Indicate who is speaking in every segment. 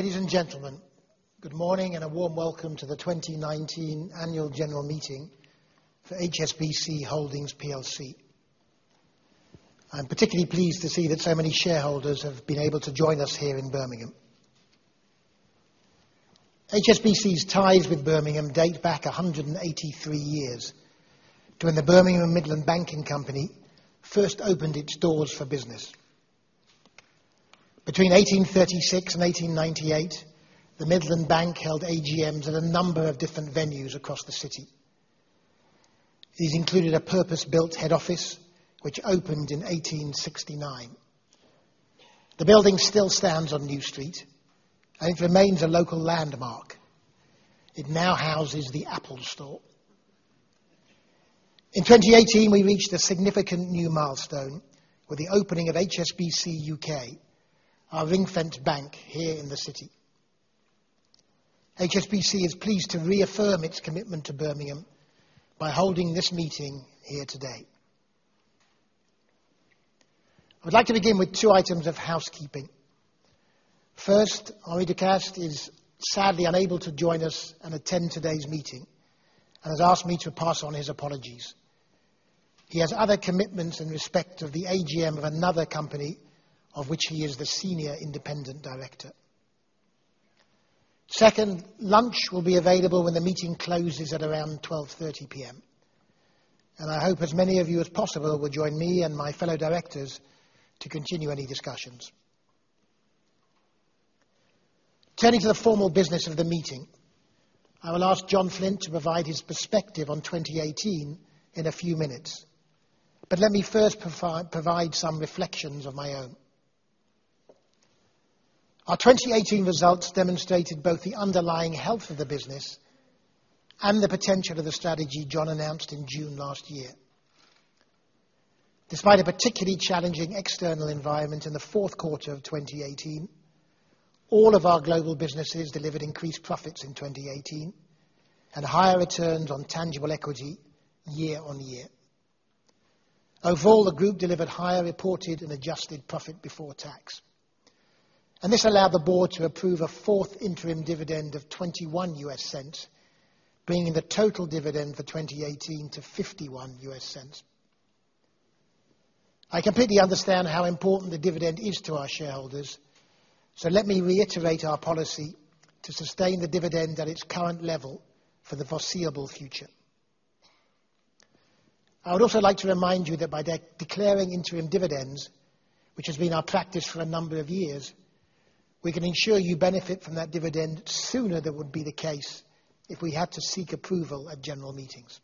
Speaker 1: Ladies and gentlemen, good morning and a warm welcome to the 2019 Annual General Meeting for HSBC Holdings plc. I'm particularly pleased to see that so many shareholders have been able to join us here in Birmingham. HSBC's ties with Birmingham date back 183 years to when the Birmingham and Midland Banking Company first opened its doors for business. Between 1836 and 1898, the Midland Bank held AGMs at a number of different venues across the city. These included a purpose-built head office, which opened in 1869. The building still stands on New Street and it remains a local landmark. It now houses the Apple Store. In 2018, we reached a significant new milestone with the opening of HSBC U.K., our ring-fenced bank here in the city. HSBC is pleased to reaffirm its commitment to Birmingham by holding this meeting here today. I would like to begin with two items of housekeeping. First, Henri de Castries is sadly unable to join us and attend today's meeting, and has asked me to pass on his apologies. He has other commitments in respect of the AGM of another company, of which he is the Senior Independent Director. Second, lunch will be available when the meeting closes at around 12:30 P.M., and I hope as many of you as possible will join me and my fellow Directors to continue any discussions. Turning to the formal business of the meeting, I will ask John Flint to provide his perspective on 2018 in a few minutes. Let me first provide some reflections of my own. Our 2018 results demonstrated both the underlying health of the business and the potential of the strategy John announced in June last year. Despite a particularly challenging external environment in the fourth quarter of 2018, all of our global businesses delivered increased profits in 2018 and higher returns on tangible equity year-on-year. Overall, the Group delivered higher reported and adjusted profit before tax, and this allowed the Board to approve a fourth interim dividend of $0.21, bringing the total dividend for 2018 to $0.51. I completely understand how important the dividend is to our shareholders, so let me reiterate our policy to sustain the dividend at its current level for the foreseeable future. I would also like to remind you that by declaring interim dividends, which has been our practice for a number of years, we can ensure you benefit from that dividend sooner than would be the case if we had to seek approval at general meetings.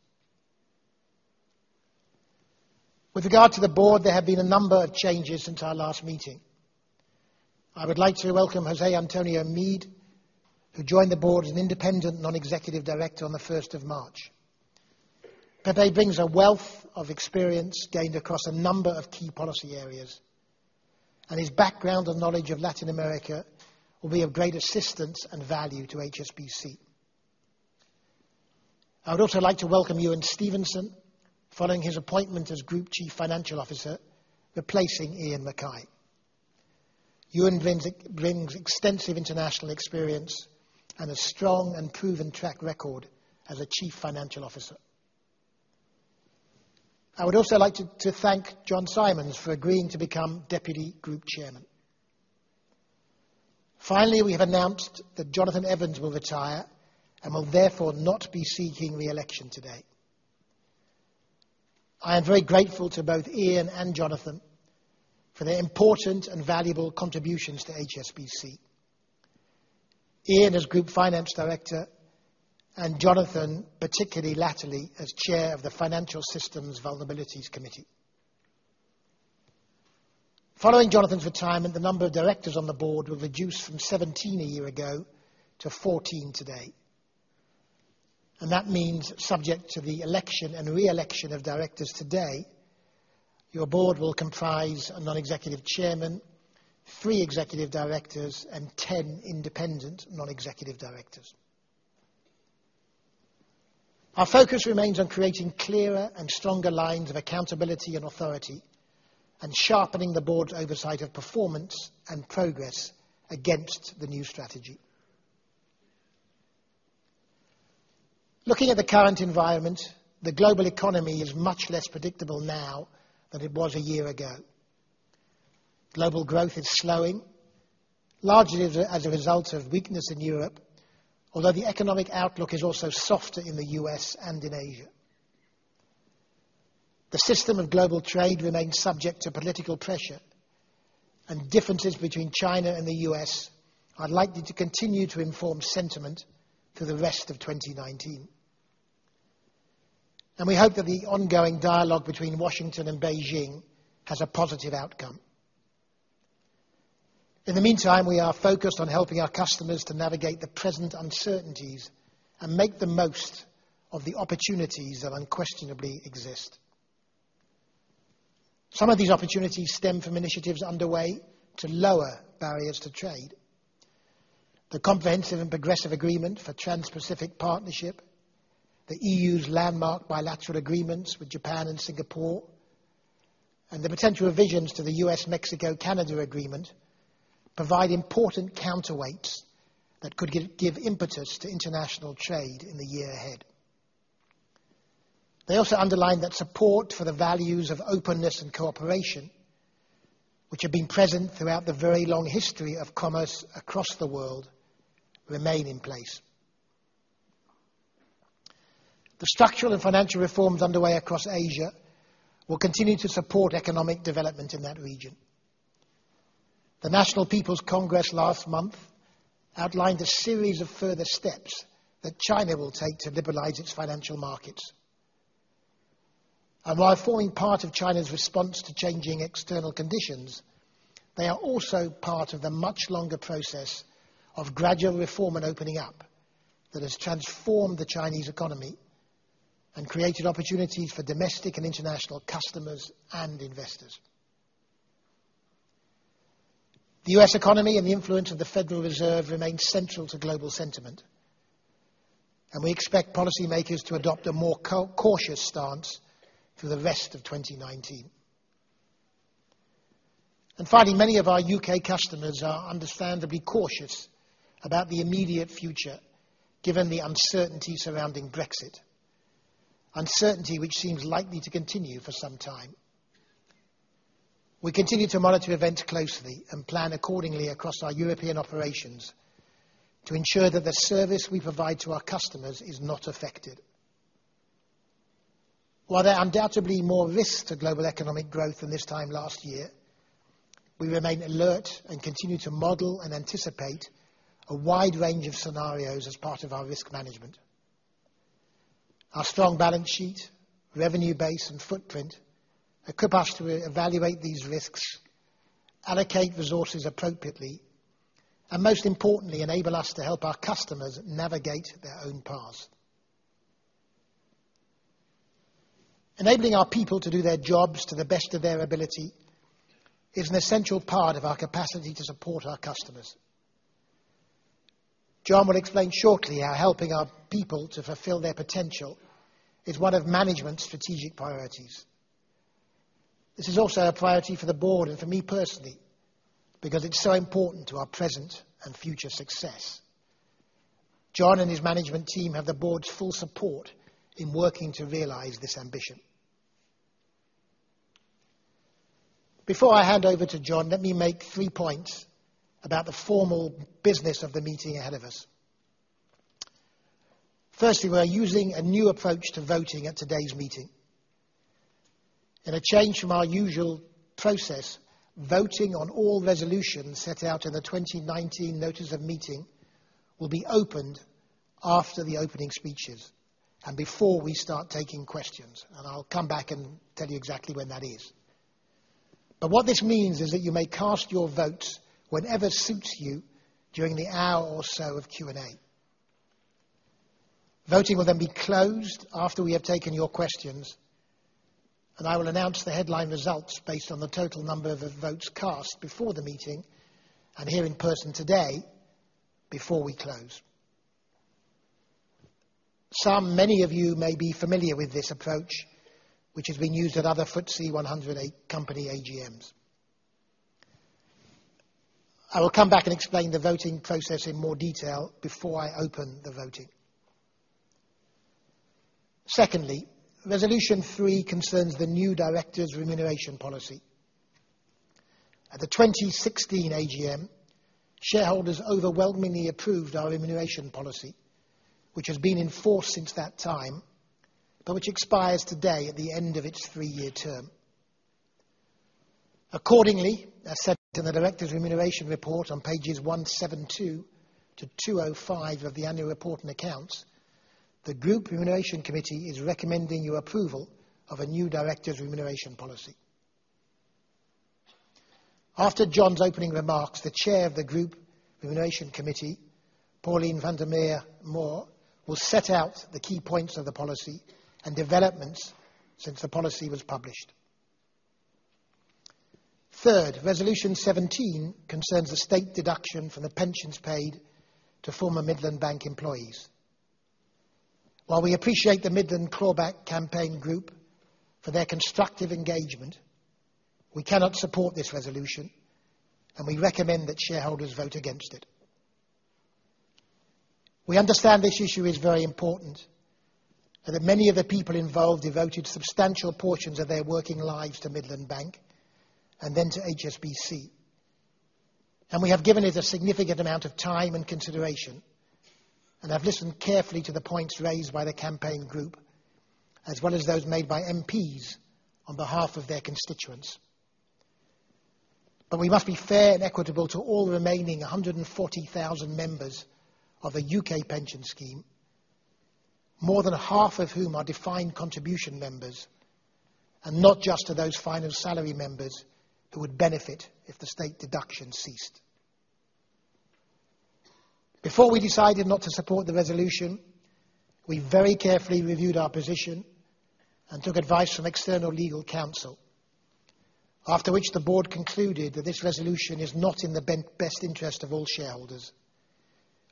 Speaker 1: With regard to the Board, there have been a number of changes since our last meeting. I would like to welcome José Antonio Meade, who joined the Board as an Independent Non-Executive Director on the 1st of March. Pepe brings a wealth of experience gained across a number of key policy areas, and his background and knowledge of Latin America will be of great assistance and value to HSBC. I would also like to welcome Ewen Stevenson, following his appointment as Group Chief Financial Officer, replacing Iain Mackay. Ewen brings extensive international experience and a strong and proven track record as a Chief Financial Officer. I would also like to thank Jon Symonds for agreeing to become Deputy Group Chairman. Finally, we have announced that Jonathan Evans will retire and will therefore not be seeking re-election today. I am very grateful to both Iain and Jonathan for their important and valuable contributions to HSBC. Iain as Group Finance Director, and Jonathan, particularly latterly, as Chair of the Financial Systems Vulnerabilities Committee. Following Jonathan's retirement, the number of directors on the board will reduce from 17 a year ago to 14 today. That means subject to the election and re-election of directors today, your board will comprise a non-executive chairman, three executive directors, and 10 independent non-executive directors. Our focus remains on creating clearer and stronger lines of accountability and authority and sharpening the board's oversight of performance and progress against the new strategy. Looking at the current environment, the global economy is much less predictable now than it was a year ago. Global growth is slowing, largely as a result of weakness in Europe, although the economic outlook is also softer in the U.S. and in Asia. The system of global trade remains subject to political pressure, and differences between China and the U.S. are likely to continue to inform sentiment through the rest of 2019. We hope that the ongoing dialogue between Washington and Beijing has a positive outcome. In the meantime, we are focused on helping our customers to navigate the present uncertainties and make the most of the opportunities that unquestionably exist. Some of these opportunities stem from initiatives underway to lower barriers to trade. The Comprehensive and Progressive Agreement for Trans-Pacific Partnership, the EU's landmark bilateral agreements with Japan and Singapore. The potential revisions to the U.S., Mexico, Canada agreement provide important counterweights that could give impetus to international trade in the year ahead. They also underline that support for the values of openness and cooperation, which have been present throughout the very long history of commerce across the world, remain in place. The structural and financial reforms underway across Asia will continue to support economic development in that region. The National People's Congress last month outlined a series of further steps that China will take to liberalize its financial markets. While forming part of China's response to changing external conditions, they are also part of the much longer process of gradual reform and opening up that has transformed the Chinese economy and created opportunities for domestic and international customers and investors. The U.S. economy and the influence of the Federal Reserve remains central to global sentiment, and we expect policymakers to adopt a more cautious stance through the rest of 2019. Finally, many of our U.K. customers are understandably cautious about the immediate future, given the uncertainty surrounding Brexit. Uncertainty which seems likely to continue for some time. We continue to monitor events closely and plan accordingly across our European operations to ensure that the service we provide to our customers is not affected. While there are undoubtedly more risks to global economic growth than this time last year, we remain alert and continue to model and anticipate a wide range of scenarios as part of our risk management. Our strong balance sheet, revenue base, and footprint equip us to evaluate these risks, allocate resources appropriately, and most importantly, enable us to help our customers navigate their own paths. Enabling our people to do their jobs to the best of their ability is an essential part of our capacity to support our customers. John will explain shortly how helping our people to fulfill their potential is one of management's strategic priorities. This is also a priority for the board and for me personally, because it's so important to our present and future success. John and his management team have the board's full support in working to realize this ambition. Before I hand over to John, let me make three points about the formal business of the meeting ahead of us. Firstly, we are using a new approach to voting at today's meeting. In a change from our usual process, voting on all resolutions set out in the 2019 notice of meeting will be opened after the opening speeches and before we start taking questions. I'll come back and tell you exactly when that is. What this means is that you may cast your votes whenever suits you during the hour or so of Q&A. Voting will then be closed after we have taken your questions, I will announce the headline results based on the total number of votes cast before the meeting and here in person today, before we close. Many of you may be familiar with this approach, which has been used at other FTSE 100 company AGMs. I will come back and explain the voting process in more detail before I open the voting. Secondly, resolution three concerns the new Directors' Remuneration Policy. At the 2016 AGM, shareholders overwhelmingly approved our remuneration policy, which has been in force since that time, but which expires today at the end of its three-year term. As set out in the Directors' Remuneration Report on pages 172 to 205 of the annual report and accounts, the Group Remuneration Committee is recommending your approval of a new directors' remuneration policy. After John's opening remarks, the Chair of the Group Remuneration Committee, Pauline van der Meer Mohr, will set out the key points of the policy and developments since the policy was published. Third, resolution 17 concerns the state deduction for the pensions paid to former Midland Bank employees. While we appreciate the Midland Clawback Campaign group for their constructive engagement, we cannot support this resolution, we recommend that shareholders vote against it. We understand this issue is very important, that many of the people involved devoted substantial portions of their working lives to Midland Bank and then to HSBC. We have given it a significant amount of time and consideration, have listened carefully to the points raised by the campaign group, as well as those made by MPs on behalf of their constituents. We must be fair and equitable to all remaining 140,000 members of a U.K. pension scheme. More than half of whom are defined contribution members, not just to those final salary members who would benefit if the state deduction ceased. Before we decided not to support the resolution, we very carefully reviewed our position and took advice from external legal counsel, after which the board concluded that this resolution is not in the best interest of all shareholders.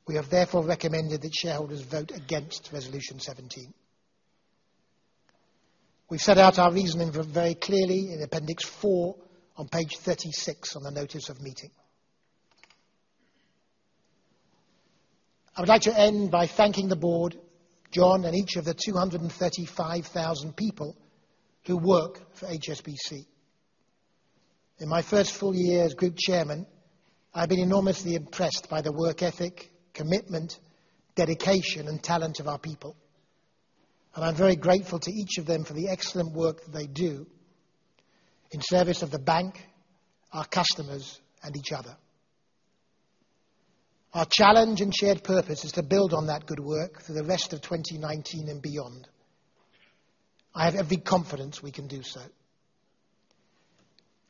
Speaker 1: We have therefore recommended that shareholders vote against Resolution 17. We've set out our reasoning very clearly in Appendix four on page 36 on the notice of meeting. I would like to end by thanking the board, John, and each of the 235,000 people who work for HSBC. In my first full year as Group Chairman, I've been enormously impressed by the work ethic, commitment, dedication, and talent of our people, and I'm very grateful to each of them for the excellent work that they do in service of the bank, our customers, and each other. Our challenge and shared purpose is to build on that good work for the rest of 2019 and beyond. I have every confidence we can do so.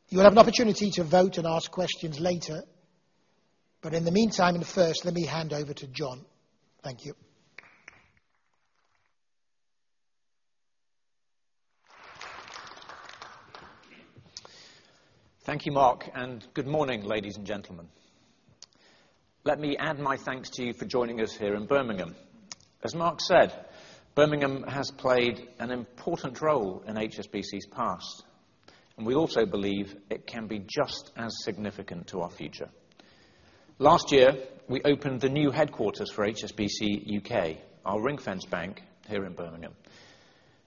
Speaker 1: You'll have an opportunity to vote and ask questions later. In the meantime, and first, let me hand over to John. Thank you.
Speaker 2: Thank you, Mark. Good morning, ladies and gentlemen. Let me add my thanks to you for joining us here in Birmingham. As Mark said, Birmingham has played an important role in HSBC's past, and we also believe it can be just as significant to our future. Last year, we opened the new headquarters for HSBC U.K., our ring-fenced bank here in Birmingham.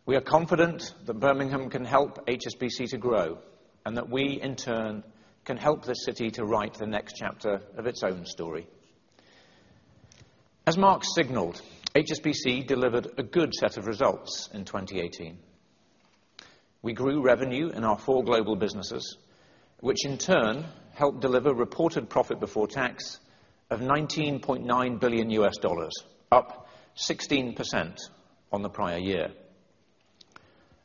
Speaker 2: We are confident that Birmingham can help HSBC to grow, and that we, in turn, can help this city to write the next chapter of its own story. As Mark signaled, HSBC delivered a good set of results in 2018. We grew revenue in our four global businesses, which in turn helped deliver reported profit before tax of $19.9 billion, up 16% on the prior year.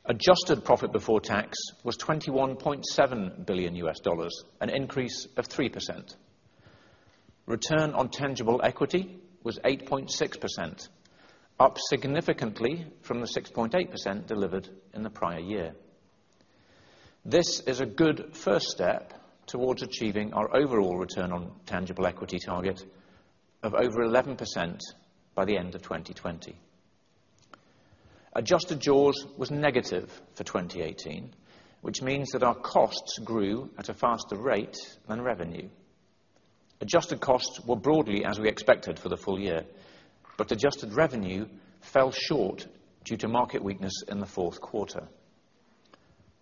Speaker 2: Adjusted profit before tax was $21.7 billion, an increase of 3%. return on tangible equity was 8.6%, up significantly from the 6.8% delivered in the prior year. This is a good first step towards achieving our overall return on tangible equity target of over 11% by the end of 2020. Adjusted jaws was negative for 2018, which means that our costs grew at a faster rate than revenue. Adjusted costs were broadly as we expected for the full year, Adjusted revenue fell short due to market weakness in the fourth quarter.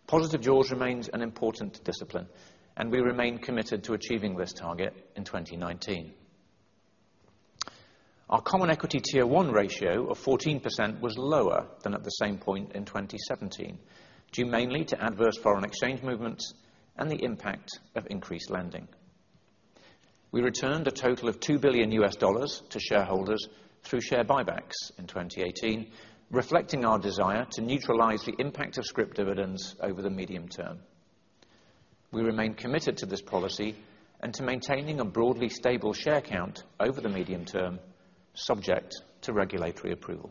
Speaker 2: Positive jaws remains an important discipline, and we remain committed to achieving this target in 2019. Our common equity Tier 1 ratio of 14% was lower than at the same point in 2017, due mainly to adverse foreign exchange movements and the impact of increased lending. We returned a total of $2 billion to shareholders through share buybacks in 2018, reflecting our desire to neutralize the impact of scrip dividends over the medium term. We remain committed to this policy and to maintaining a broadly stable share count over the medium term, subject to regulatory approval.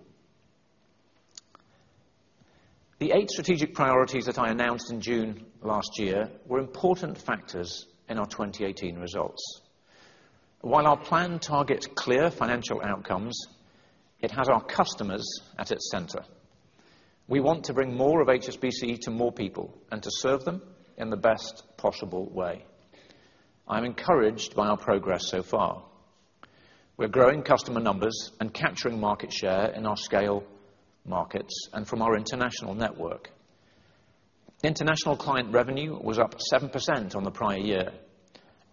Speaker 2: The eight strategic priorities that I announced in June last year were important factors in our 2018 results. While our plan targets clear financial outcomes, it has our customers at its center. We want to bring more of HSBC to more people and to serve them in the best possible way. I'm encouraged by our progress so far. We're growing customer numbers and capturing market share in our scale markets and from our international network. International client revenue was up 7% on the prior year,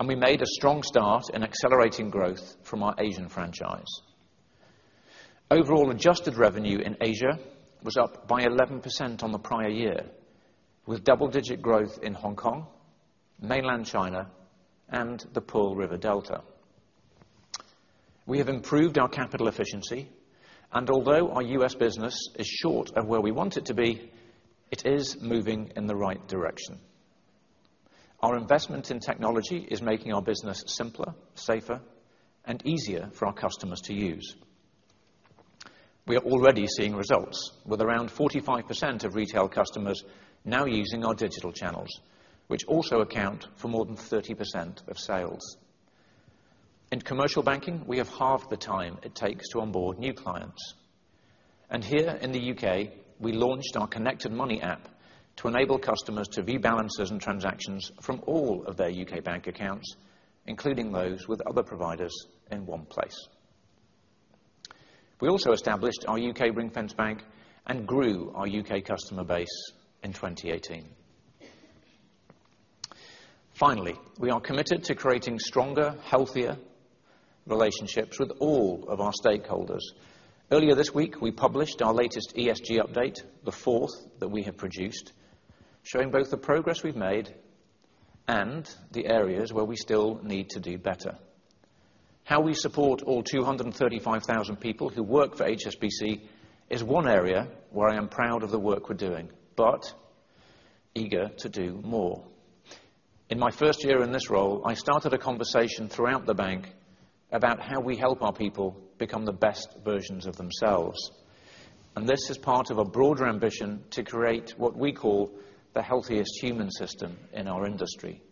Speaker 2: We made a strong start in accelerating growth from our Asian franchise. Overall adjusted revenue in Asia was up by 11% on the prior year, with double-digit growth in Hong Kong, mainland China, and the Pearl River Delta. We have improved our capital efficiency, although our U.S. business is short of where we want it to be, it is moving in the right direction. Our investment in technology is making our business simpler, safer, and easier for our customers to use. We are already seeing results, with around 45% of retail customers now using our digital channels, which also account for more than 30% of sales. In commercial banking, we have halved the time it takes to onboard new clients. Here in the U.K., we launched our Connected Money app to enable customers to view balances and transactions from all of their U.K. bank accounts, including those with other providers in one place. We also established our U.K. ring-fenced bank and grew our U.K. customer base in 2018. Finally, we are committed to creating stronger, healthier relationships with all of our stakeholders. Earlier this week, we published our latest ESG update, the fourth that we have produced, showing both the progress we've made and the areas where we still need to do better. How we support all 235,000 people who work for HSBC is one area where I am proud of the work we're doing, but eager to do more. In my first year in this role, I started a conversation throughout the bank about how we help our people become the best versions of themselves. This is part of a broader ambition to create what we call the healthiest human system in our industry.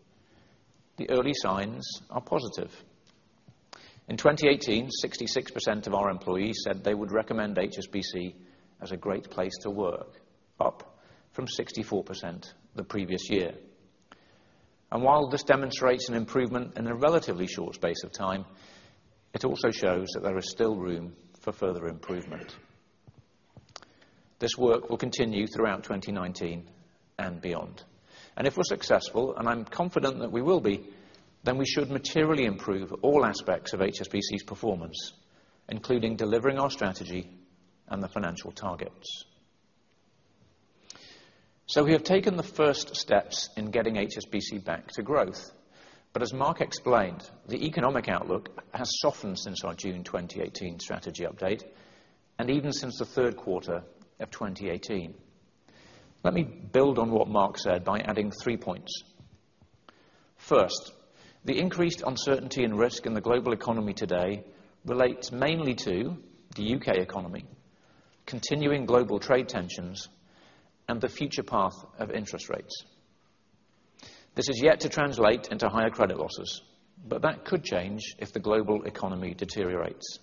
Speaker 2: The early signs are positive. In 2018, 66% of our employees said they would recommend HSBC as a great place to work, up from 64% the previous year. While this demonstrates an improvement in a relatively short space of time, it also shows that there is still room for further improvement. This work will continue throughout 2019 and beyond. If we're successful, and I'm confident that we will be, we should materially improve all aspects of HSBC's performance, including delivering our strategy and the financial targets. We have taken the first steps in getting HSBC back to growth. As Mark explained, the economic outlook has softened since our June 2018 strategy update, even since the third quarter of 2018. Let me build on what Mark said by adding three points. First, the increased uncertainty and risk in the global economy today relates mainly to the U.K. economy, continuing global trade tensions, and the future path of interest rates. This is yet to translate into higher credit losses, but that could change if the global economy deteriorates.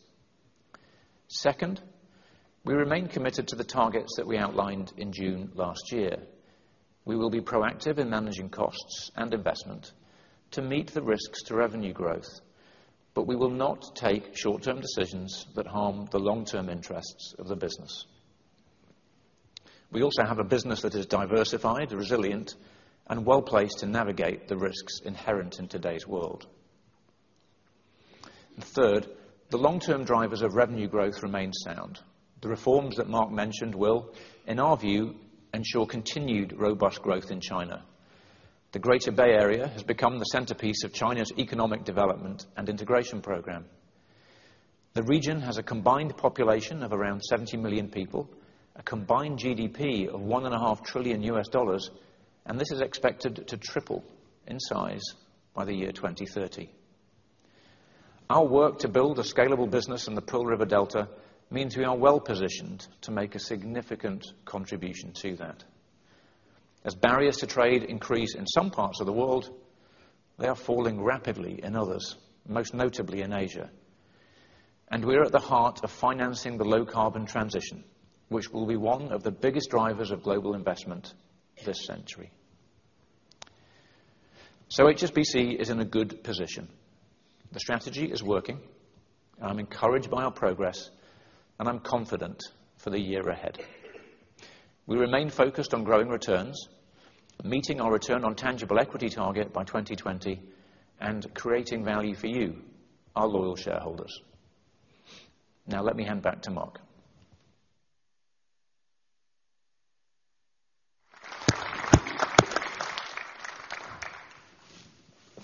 Speaker 2: Second, we remain committed to the targets that we outlined in June last year. We will be proactive in managing costs and investment to meet the risks to revenue growth, but we will not take short-term decisions that harm the long-term interests of the business. We also have a business that is diversified, resilient, and well-placed to navigate the risks inherent in today's world. Third, the long-term drivers of revenue growth remain sound. The reforms that Mark mentioned will, in our view, ensure continued robust growth in China. The Greater Bay Area has become the centerpiece of China's economic development and integration program. The region has a combined population of around 70 million people, a combined GDP of $1.5 trillion, this is expected to triple in size by the year 2030. Our work to build a scalable business in the Pearl River Delta means we are well-positioned to make a significant contribution to that. As barriers to trade increase in some parts of the world, they are falling rapidly in others, most notably in Asia. We're at the heart of financing the low-carbon transition, which will be one of the biggest drivers of global investment this century. HSBC is in a good position. The strategy is working, I'm encouraged by our progress, I'm confident for the year ahead. We remain focused on growing returns, meeting our return on tangible equity target by 2020, creating value for you, our loyal shareholders. Let me hand back to Mark.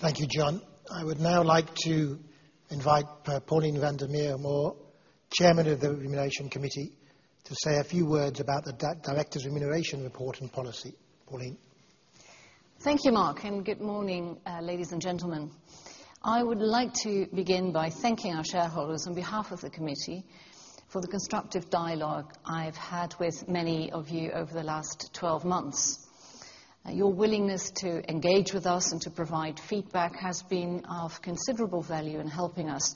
Speaker 1: Thank you, John. I would now like to invite Pauline van der Meer Mohr, Chair of the Remuneration Committee, to say a few words about the Directors' Remuneration Report and policy. Pauline.
Speaker 3: Thank you, Mark. Good morning, ladies and gentlemen. I would like to begin by thanking our shareholders on behalf of the committee for the constructive dialogue I've had with many of you over the last 12 months. Your willingness to engage with us and to provide feedback has been of considerable value in helping us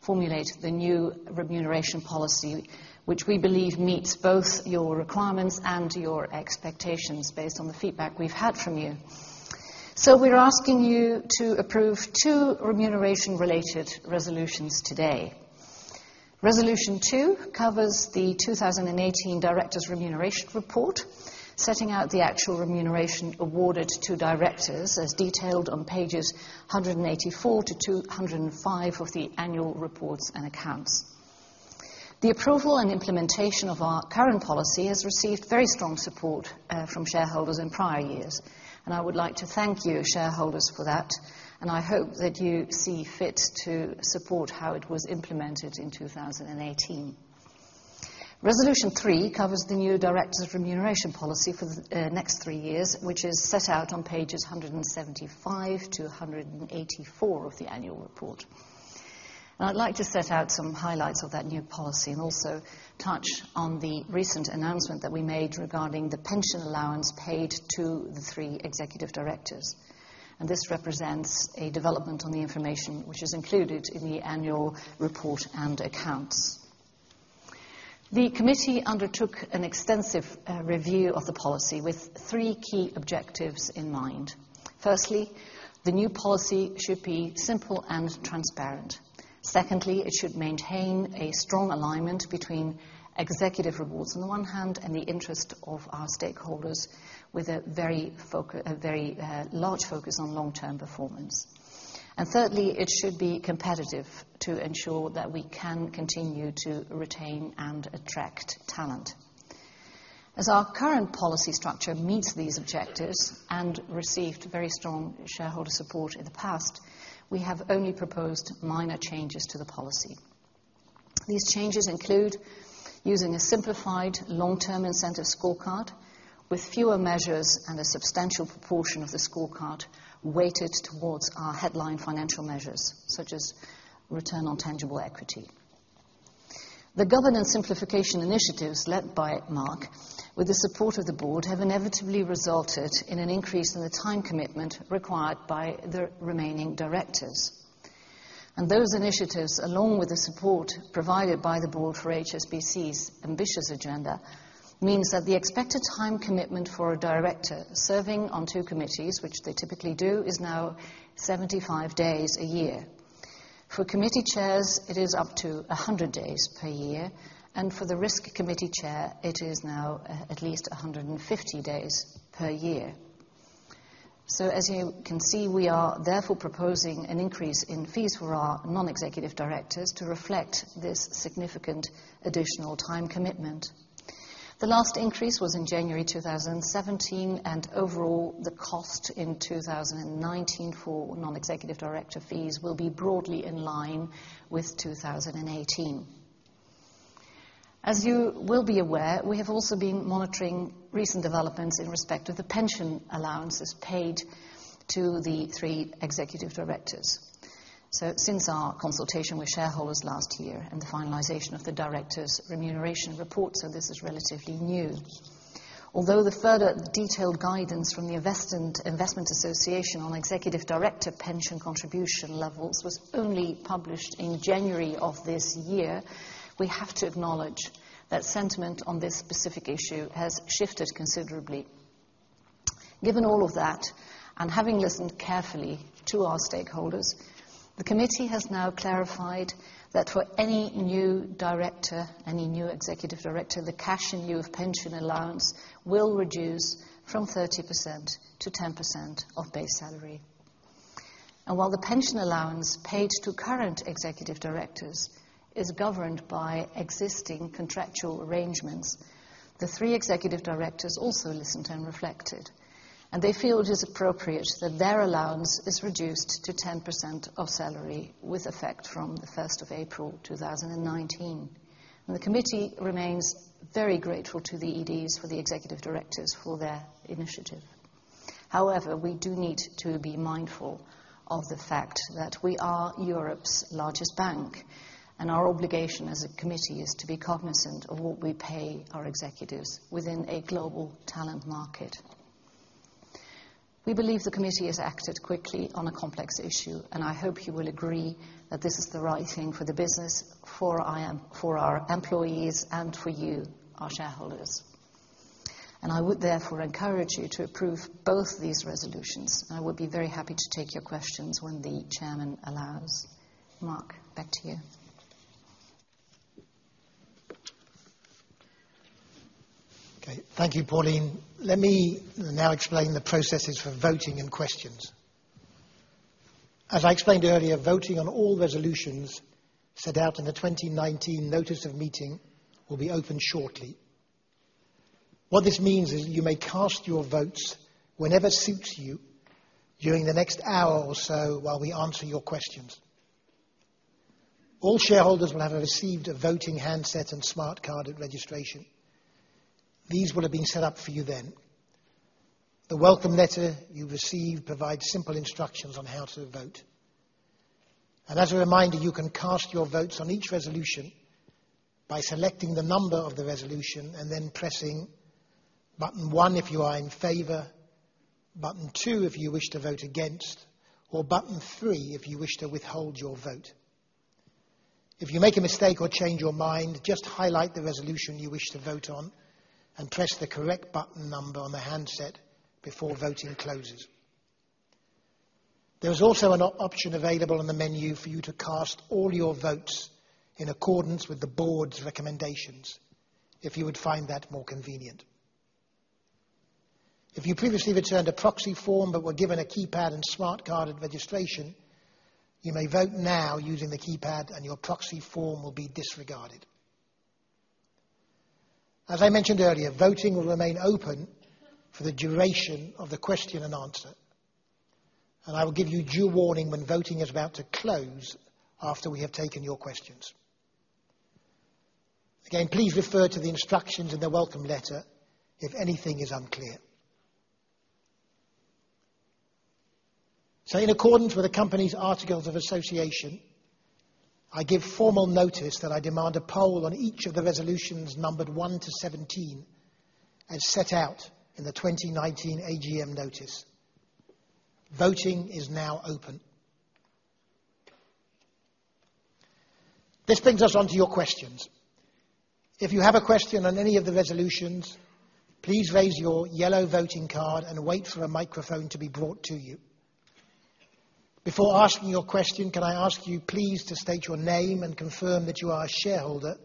Speaker 3: formulate the new remuneration policy, which we believe meets both your requirements and your expectations based on the feedback we've had from you. We're asking you to approve two remuneration-related resolutions today. Resolution two covers the 2018 Directors' Remuneration Report, setting out the actual remuneration awarded to directors as detailed on pages 184-205 of the annual reports and accounts. The approval and implementation of our current policy has received very strong support from shareholders in prior years. I would like to thank you shareholders for that. I hope that you see fit to support how it was implemented in 2018. Resolution three covers the new Directors' Remuneration Policy for the next three years, which is set out on pages 175-184 of the annual report. I'd like to set out some highlights of that new policy and also touch on the recent announcement that we made regarding the pension allowance paid to the three executive directors. This represents a development on the information which is included in the annual report and accounts. The committee undertook an extensive review of the policy with three key objectives in mind. Firstly, the new policy should be simple and transparent. Secondly, it should maintain a strong alignment between executive rewards on the one hand, and the interest of our stakeholders, with a very large focus on long-term performance. Thirdly, it should be competitive to ensure that we can continue to retain and attract talent. As our current policy structure meets these objectives and received very strong shareholder support in the past, we have only proposed minor changes to the policy. These changes include using a simplified long-term incentive scorecard with fewer measures and a substantial proportion of the scorecard weighted towards our headline financial measures, such as return on tangible equity. The governance simplification initiatives led by Mark with the support of the board have inevitably resulted in an increase in the time commitment required by the remaining directors. Those initiatives, along with the support provided by the board for HSBC's ambitious agenda, means that the expected time commitment for a director serving on two committees, which they typically do, is now 75 days a year. For committee chairs, it is up to 100 days per year. For the risk committee chair, it is now at least 150 days per year. As you can see, we are therefore proposing an increase in fees for our non-executive directors to reflect this significant additional time commitment. The last increase was in January 2017, and overall, the cost in 2019 for non-executive director fees will be broadly in line with 2018. As you will be aware, we have also been monitoring recent developments in respect of the pension allowances paid to the three executive directors. Since our consultation with shareholders last year and the finalization of the Directors' Remuneration Report. This is relatively new. Although the further detailed guidance from the Investment Association on executive director pension contribution levels was only published in January of this year, we have to acknowledge that sentiment on this specific issue has shifted considerably. Given all of that, and having listened carefully to our stakeholders, the committee has now clarified that for any new director, any new executive director, the cash in lieu of pension allowance will reduce from 30%-10% of base salary. While the pension allowance paid to current executive directors is governed by existing contractual arrangements, the three executive directors also listened and reflected, and they feel it is appropriate that their allowance is reduced to 10% of salary with effect from the 1st of April 2019. The committee remains very grateful to the EDs, for the executive directors for their initiative. However, we do need to be mindful of the fact that we are Europe's largest bank, and our obligation as a committee is to be cognizant of what we pay our executives within a global talent market. We believe the committee has acted quickly on a complex issue. I hope you will agree that this is the right thing for the business, for our employees, and for you, our shareholders. I would therefore encourage you to approve both these resolutions. I would be very happy to take your questions when the chairman allows. Mark, back to you.
Speaker 1: Okay. Thank you, Pauline. Let me now explain the processes for voting and questions. As I explained earlier, voting on all resolutions set out in the 2019 notice of meeting will be open shortly. What this means is that you may cast your votes whenever suits you during the next hour or so while we answer your questions. All shareholders will have received a voting handset and smart card at registration. These will have been set up for you then. The welcome letter you received provides simple instructions on how to vote. As a reminder, you can cast your votes on each resolution by selecting the number of the resolution and then pressing button one if you are in favor, button two if you wish to vote against, or button three if you wish to withhold your vote. If you make a mistake or change your mind, just highlight the resolution you wish to vote on and press the correct button number on the handset before voting closes. There is also an option available on the menu for you to cast all your votes in accordance with the board's recommendations if you would find that more convenient. If you previously returned a proxy form but were given a keypad and smart card at registration, you may vote now using the keypad and your proxy form will be disregarded. As I mentioned earlier, voting will remain open for the duration of the question and answer. I will give you due warning when voting is about to close after we have taken your questions. Again, please refer to the instructions in the welcome letter if anything is unclear. In accordance with the company's articles of association, I give formal notice that I demand a poll on each of the resolutions numbered one to 17 as set out in the 2019 AGM notice. Voting is now open. This brings us onto your questions. If you have a question on any of the resolutions, please raise your yellow voting card and wait for a microphone to be brought to you. Before asking your question, can I ask you please to state your name and confirm that you are a shareholder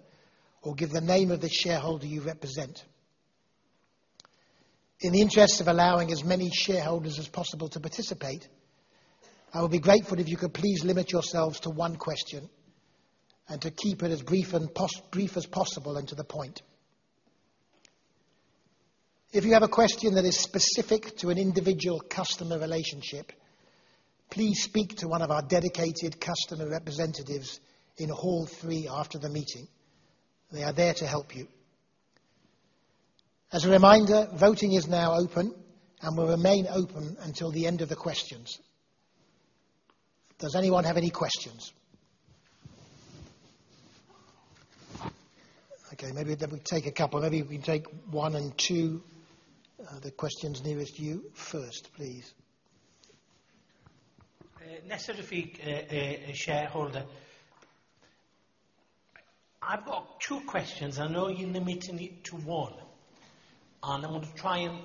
Speaker 1: or give the name of the shareholder you represent. In the interest of allowing as many shareholders as possible to participate, I would be grateful if you could please limit yourselves to one question and to keep it as brief as possible and to the point. If you have a question that is specific to an individual customer relationship, please speak to one of our dedicated customer representatives in hall three after the meeting. They are there to help you. As a reminder, voting is now open and will remain open until the end of the questions. Does anyone have any questions? Okay, maybe we take a couple. Maybe we can take one and two, the questions nearest to you first, please.
Speaker 4: [Nesar Rafiq], a Shareholder. I've got two questions. I know you're limiting it to one, I want to try and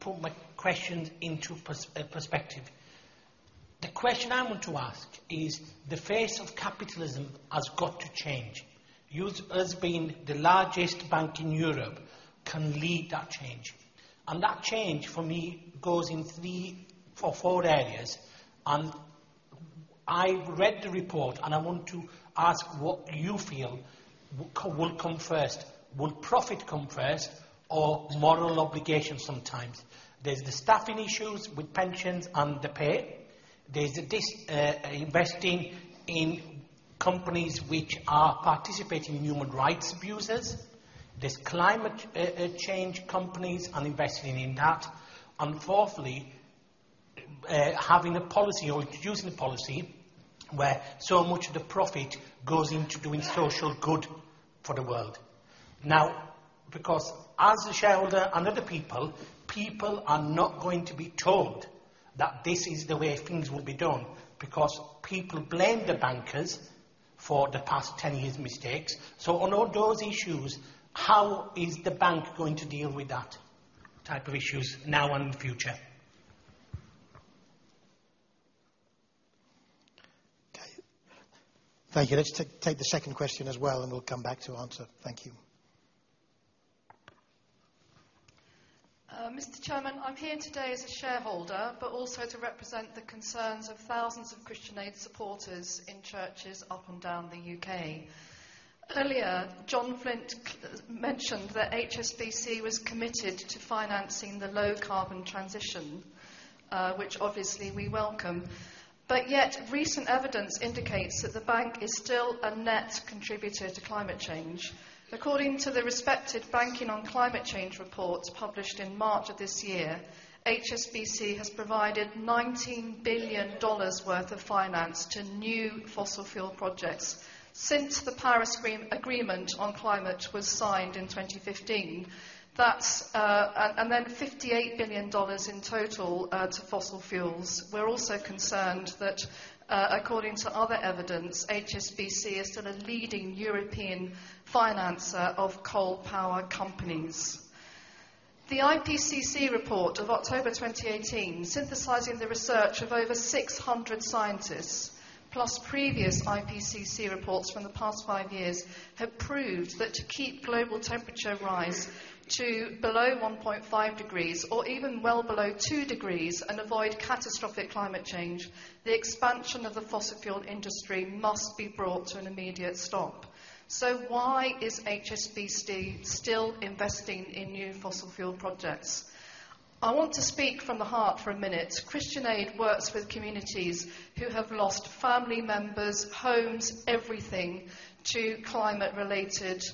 Speaker 4: put my questions into perspective. The question I want to ask is, the face of capitalism has got to change. You as being the largest bank in Europe can lead that change. That change for me goes in three or four areas. I read the report, I want to ask what you feel will come first. Will profit come first or moral obligation sometimes? There's the staffing issues with pensions and the pay. There's this investing in companies which are participating in human rights abuses. There's climate change companies and investing in that. Fourthly, having a policy or introducing a policy where so much of the profit goes into doing social good for the world. Because as a shareholder and other people are not going to be told that this is the way things will be done, because people blame the bankers for the past 10 years' mistakes. On all those issues, how is the bank going to deal with that type of issues now and future?
Speaker 1: Okay. Thank you. Let's take the second question as well, we'll come back to answer. Thank you.
Speaker 5: Mr. Chairman, I'm here today as a shareholder, also to represent the concerns of thousands of Christian Aid supporters in churches up and down the U.K. Earlier, John Flint mentioned that HSBC was committed to financing the low-carbon transition, which obviously we welcome. Yet recent evidence indicates that the bank is still a net contributor to climate change. According to the respected Banking on Climate Change report published in March of this year, HSBC has provided $19 billion worth of finance to new fossil fuel projects. Since the Paris Agreement on Climate was signed in 2015, then $58 billion in total, to fossil fuels. We're also concerned that according to other evidence, HSBC is still a leading European financer of coal power companies. The IPCC report of October 2018 synthesizing the research of over 600 scientists, plus previous IPCC reports from the past five years have proved that to keep global temperature rise to below 1.5 degrees or even well below two degrees and avoid catastrophic climate change, the expansion of the fossil fuel industry must be brought to an immediate stop. Why is HSBC still investing in new fossil fuel projects? I want to speak from the heart for a minute. Christian Aid works with communities who have lost family members, homes, everything, to climate-related incidents.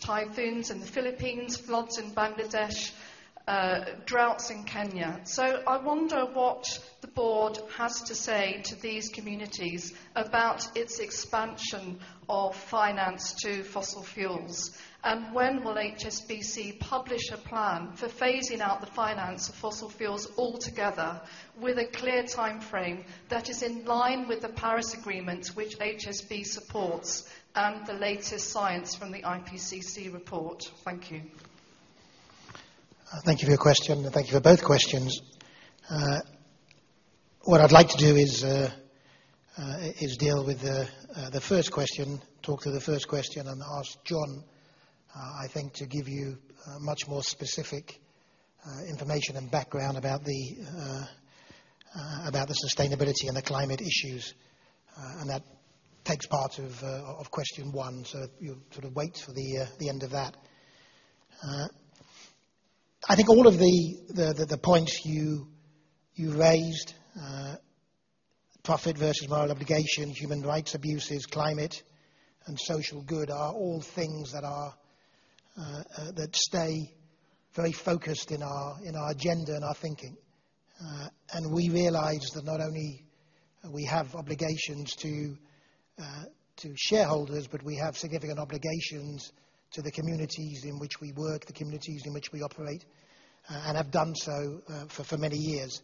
Speaker 5: Typhoons in the Philippines, floods in Bangladesh, droughts in Kenya. I wonder what the board has to say to these communities about its expansion of finance to fossil fuels and when will HSBC publish a plan for phasing out the finance of fossil fuels altogether with a clear timeframe that is in line with the Paris Agreement which HSBC supports and the latest science from the IPCC report. Thank you.
Speaker 1: Thank you for your question, and thank you for both questions. What I'd like to do is deal with the first question, talk to the first question and ask John, I think to give you much more specific information and background about the sustainability and the climate issues. That takes part of question one. You sort of wait for the end of that. I think all of the points you raised, profit versus moral obligation, human rights abuses, climate, and social good are all things that stay very focused in our agenda and our thinking. We realize that not only we have obligations to shareholders, but we have significant obligations to the communities in which we work, the communities in which we operate, and have done so for many years.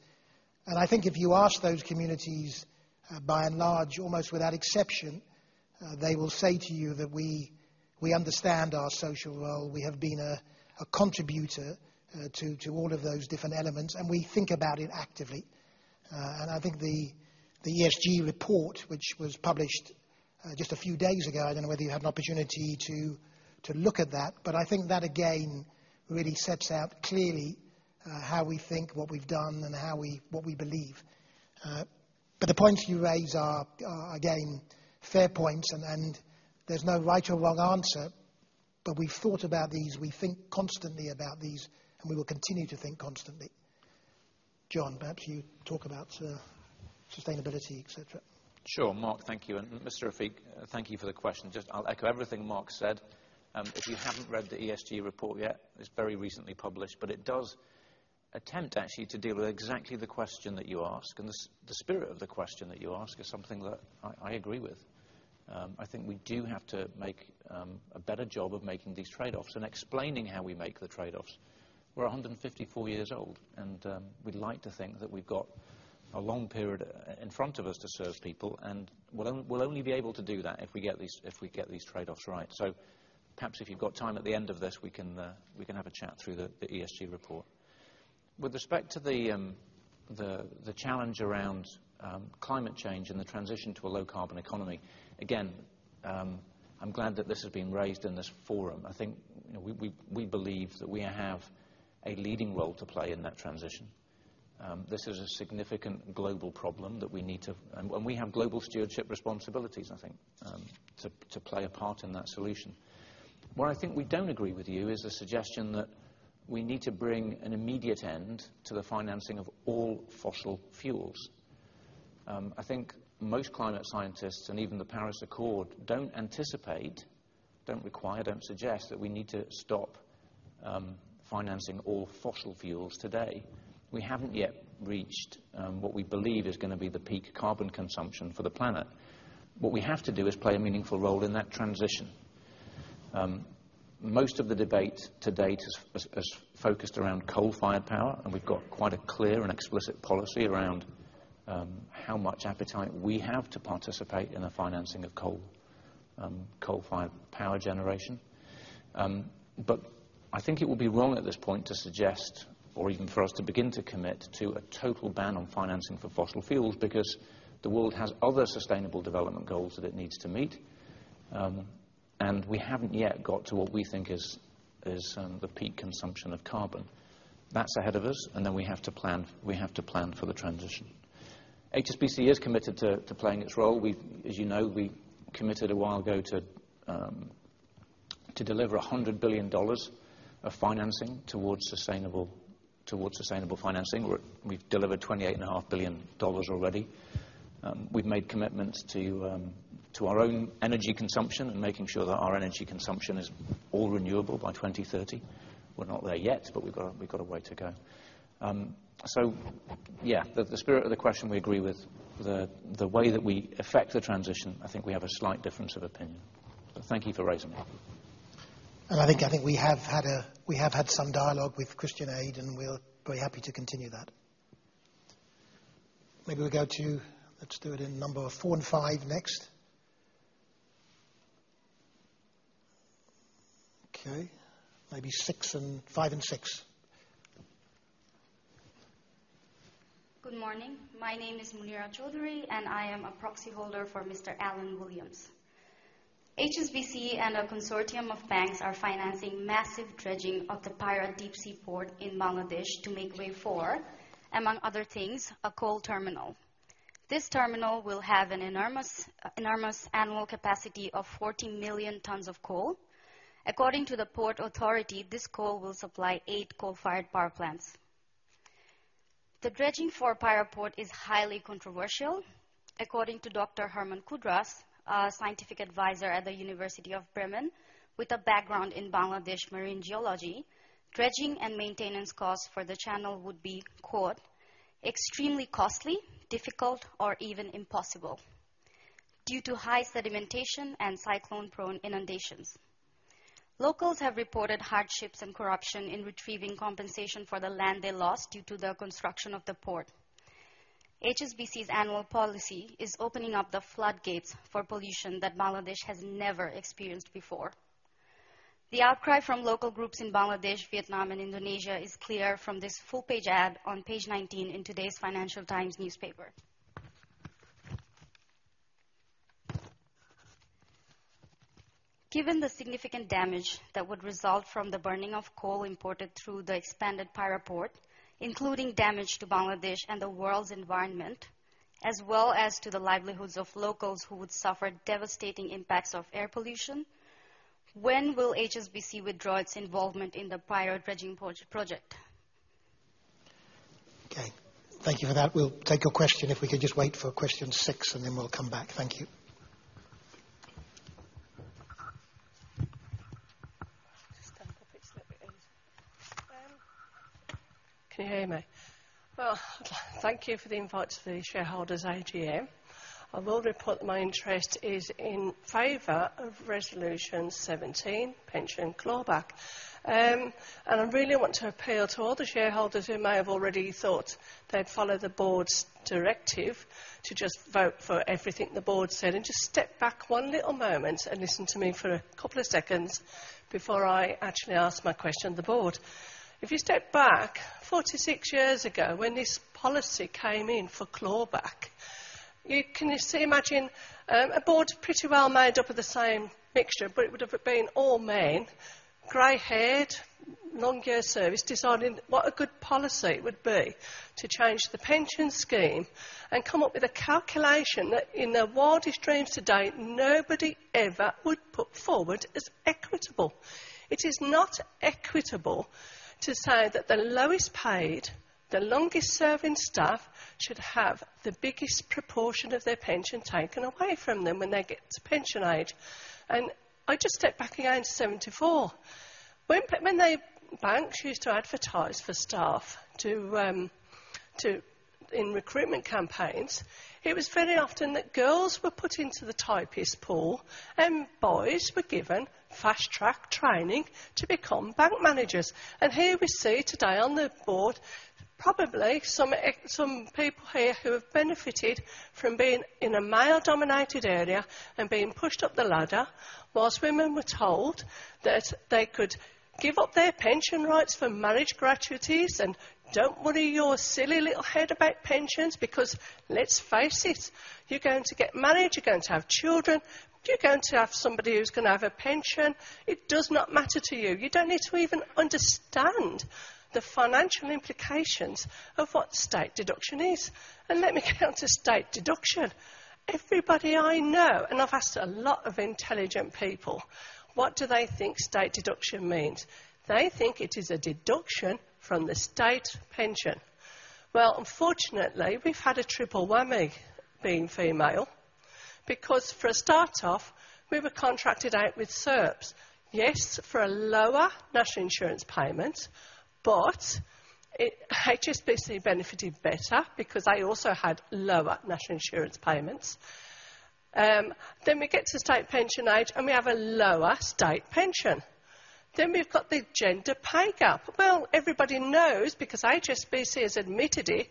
Speaker 1: I think if you ask those communities, by and large, almost without exception, they will say to you that we understand our social role. We have been a contributor to all of those different elements, and we think about it actively. I think the ESG report, which was published just a few days ago, I don't know whether you had an opportunity to look at that, but I think that again, really sets out clearly how we think, what we've done, and what we believe. The points you raise are, again, fair points, and there's no right or wrong answer, but we've thought about these. We think constantly about these, and we will continue to think constantly. John, perhaps you talk about sustainability, et cetera.
Speaker 2: Sure, Mark. Thank you. Mr. Rafiq, thank you for the question. Just I'll echo everything Mark said. If you haven't read the ESG report yet, it's very recently published, but it does attempt actually to deal with exactly the question that you ask. The spirit of the question that you ask is something that I agree with. I think we do have to make a better job of making these trade-offs and explaining how we make the trade-offs. We're 154 years old, and we'd like to think that we've got a long period in front of us to serve people, and we'll only be able to do that if we get these trade-offs right. Perhaps if you've got time at the end of this, we can have a chat through the ESG report. With respect to the challenge around climate change and the transition to a low-carbon economy, again, I'm glad that this has been raised in this forum. I think we believe that we have a leading role to play in that transition. We have global stewardship responsibilities, I think, to play a part in that solution. Where I think we don't agree with you is the suggestion that we need to bring an immediate end to the financing of all fossil fuels. I think most climate scientists, and even the Paris Agreement, don't anticipate, don't require, don't suggest that we need to stop financing all fossil fuels today. We haven't yet reached what we believe is going to be the peak carbon consumption for the planet. What we have to do is play a meaningful role in that transition. Most of the debate to date has focused around coal-fired power, and we've got quite a clear and explicit policy around how much appetite we have to participate in the financing of coal-fired power generation. I think it would be wrong at this point to suggest, or even for us to begin to commit to a total ban on financing for fossil fuels because the world has other sustainable development goals that it needs to meet. We haven't yet got to what we think is the peak consumption of carbon. That's ahead of us, and then we have to plan for the transition. HSBC is committed to playing its role. As you know, we committed a while ago to deliver $100 billion of financing towards sustainable financing. We've delivered $28.5 billion already. We've made commitments to our own energy consumption and making sure that our energy consumption is all renewable by 2030. We're not there yet, but we've got a way to go. Yeah, the spirit of the question we agree with. The way that we affect the transition, I think we have a slight difference of opinion. Thank you for raising that.
Speaker 1: I think we have had some dialogue with Christian Aid, and we're very happy to continue that. Maybe we go to, let's do it in number four and five next. Okay, maybe five and six.
Speaker 6: Good morning. My name is [Munira Chowdhury], And I am a proxy holder for Mr. Alan Williams. HSBC and a consortium of banks are financing massive dredging of the Payra deep seaport in Bangladesh to make way for, among other things, a coal terminal. This terminal will have an enormous annual capacity of 40 million tons of coal. According to the Port Authority, this coal will supply eight coal-fired power plants. The dredging for Payra port is highly controversial. According to Dr. Hermann Kudrass, a scientific advisor at the University of Bremen with a background in Bangladesh marine geology, dredging and maintenance costs for the channel would be, "extremely costly, difficult, or even impossible due to high sedimentation and cyclone-prone inundations." Locals have reported hardships and corruption in retrieving compensation for the land they lost due to the construction of the port. HSBC's annual policy is opening up the floodgates for pollution that Bangladesh has never experienced before. The outcry from local groups in Bangladesh, Vietnam, and Indonesia is clear from this full-page ad on page 19 in today's Financial Times newspaper. Given the significant damage that would result from the burning of coal imported through the expanded Payra port, including damage to Bangladesh and the world's environment, as well as to the livelihoods of locals who would suffer devastating impacts of air pollution, when will HSBC withdraw its involvement in the Payra dredging project?
Speaker 1: Okay. Thank you for that. We'll take your question. If we could just wait for question six, and then we'll come back. Thank you.
Speaker 5: Just stand up a bit. Can you hear me? Well, thank you for the invite to the shareholders' AGM. I will report my interest is in favor of Resolution 17, pension clawback. I really want to appeal to all the shareholders who may have already thought they'd follow the board's directive to just vote for everything the board said, and just step back one little moment and listen to me for a couple of seconds before I actually ask my question of the board. If you step back 46 years ago when this policy came in for clawback, you can imagine a board pretty well made up of the same mixture, but it would have been all men, gray-haired, long year service, deciding what a good policy it would be to change the pension scheme and come up with a calculation that in their wildest dreams today, nobody ever would put forward as equitable. It is not equitable to say that the lowest paidThe longest serving staff should have the biggest proportion of their pension taken away from them when they get to pension age. I just step back again to 1974. When the banks used to advertise for staff in recruitment campaigns, it was very often that girls were put into the typist pool and boys were given fast track training to become bank managers. Here we see today on the board, probably some people here who have benefited from being in a male-dominated area and being pushed up the ladder, whilst women were told that they could give up their pension rights for marriage gratuities, and, "Don't worry your silly little head about pensions, because let's face it, you're going to get married, you're going to have children. You're going to have somebody who's going to have a pension. It does not matter to you. You don't need to even understand the financial implications of what state deduction is." Let me come to state deduction. Everybody I know, and I've asked a lot of intelligent people, what do they think state deduction means? They think it is a deduction from the state pension. Well, unfortunately, we've had a triple whammy being female, because for a start off, we were contracted out with SERPS. Yes, for a lower national insurance payment, but HSBC benefited better because they also had lower national insurance payments. We get to state pension age, and we have a lower state pension. We've got the gender pay gap. Well, everybody knows, because HSBC has admitted it,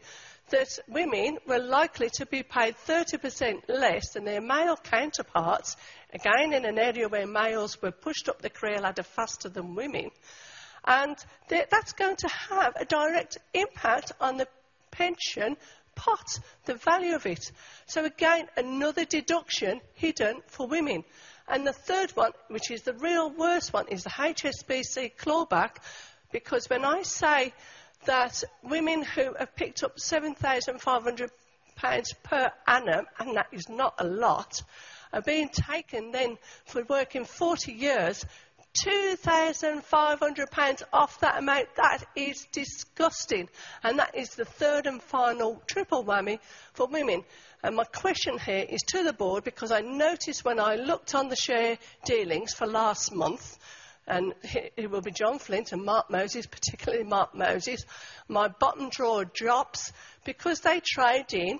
Speaker 5: that women were likely to be paid 30% less than their male counterparts, again, in an area where males were pushed up the career ladder faster than women. That's going to have a direct impact on the pension pot, the value of it. Again, another deduction hidden for women. The third one, which is the real worst one, is the HSBC clawback, because when I say that women who have picked up 7,500 pounds per annum, and that is not a lot, are being taken then for working 40 years, 2,500 pounds off that amount, that is disgusting. That is the third and final triple whammy for women. My question here is to the board, because I noticed when I looked on the share dealings for last month, and it will be John Flint and Marc Moses, particularly Marc Moses, my bottom jaw drops because they trade in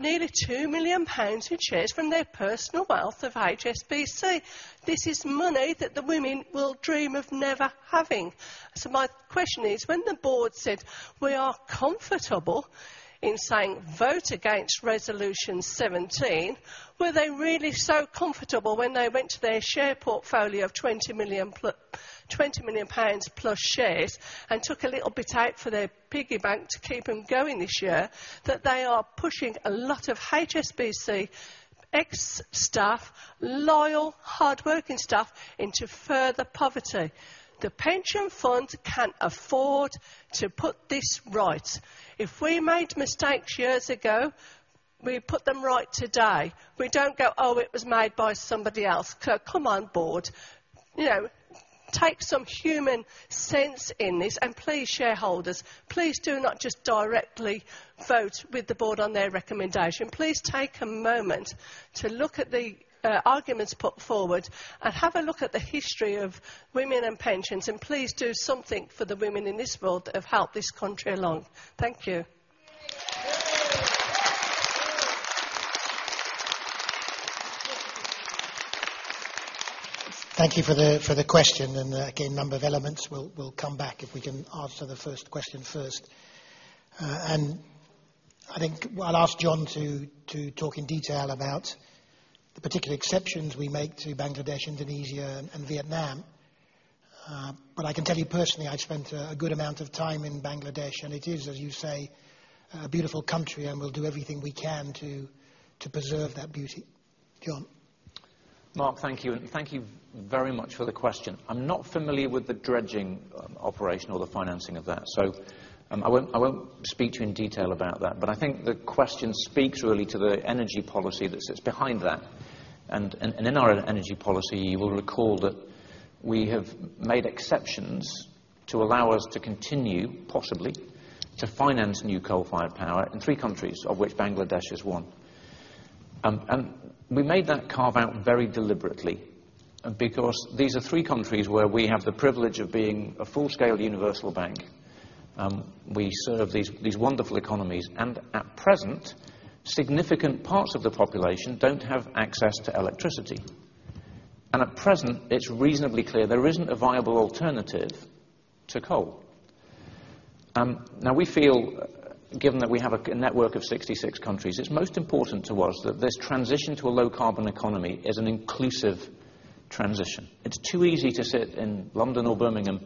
Speaker 5: nearly 2 million pounds in shares from their personal wealth of HSBC. This is money that the women will dream of never having. My question is, when the board said, "We are comfortable in saying vote against Resolution 17," were they really so comfortable when they went to their share portfolio of 20 million pounds+ shares and took a little bit out for their piggy bank to keep them going this year, that they are pushing a lot of HSBC ex-staff, loyal, hardworking staff, into further poverty? The pension fund can afford to put this right. If we made mistakes years ago, we put them right today. We don't go, "Oh, it was made by somebody else." Come on, board, take some human sense in this. Please, shareholders, please do not just directly vote with the board on their recommendation. Please take a moment to look at the arguments put forward and have a look at the history of women and pensions, and please do something for the women in this world that have helped this country along. Thank you.
Speaker 1: Thank you for the question, again, a number of elements we'll come back if we can answer the first question first. I think I'll ask John to talk in detail about the particular exceptions we make to Bangladesh, Indonesia, and Vietnam. I can tell you personally, I've spent a good amount of time in Bangladesh, and it is, as you say, a beautiful country, and we'll do everything we can to preserve that beauty. John.
Speaker 2: Mark, thank you. Thank you very much for the question. I'm not familiar with the dredging operation or the financing of that, so I won't speak to you in detail about that. I think the question speaks really to the energy policy that sits behind that. In our energy policy, you will recall that we have made exceptions to allow us to continue, possibly, to finance new coal-fired power in three countries, of which Bangladesh is one. We made that carve-out very deliberately because these are three countries where we have the privilege of being a full-scale universal bank. We serve these wonderful economies, and at present, significant parts of the population don't have access to electricity. At present, it's reasonably clear there isn't a viable alternative to coal. We feel, given that we have a network of 66 countries, it's most important to us that this transition to a low carbon economy is an inclusive transition. It's too easy to sit in London or Birmingham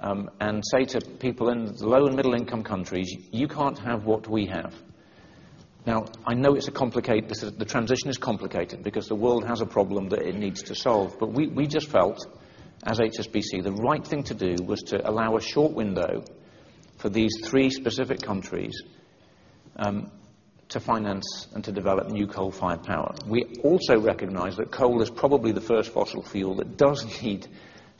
Speaker 2: and say to people in low and middle income countries, "You can't have what we have." I know the transition is complicated because the world has a problem that it needs to solve, we just felt as HSBC, the right thing to do was to allow a short window for these three specific countries to finance and to develop new coal-fired power. We also recognize that coal is probably the first fossil fuel that does need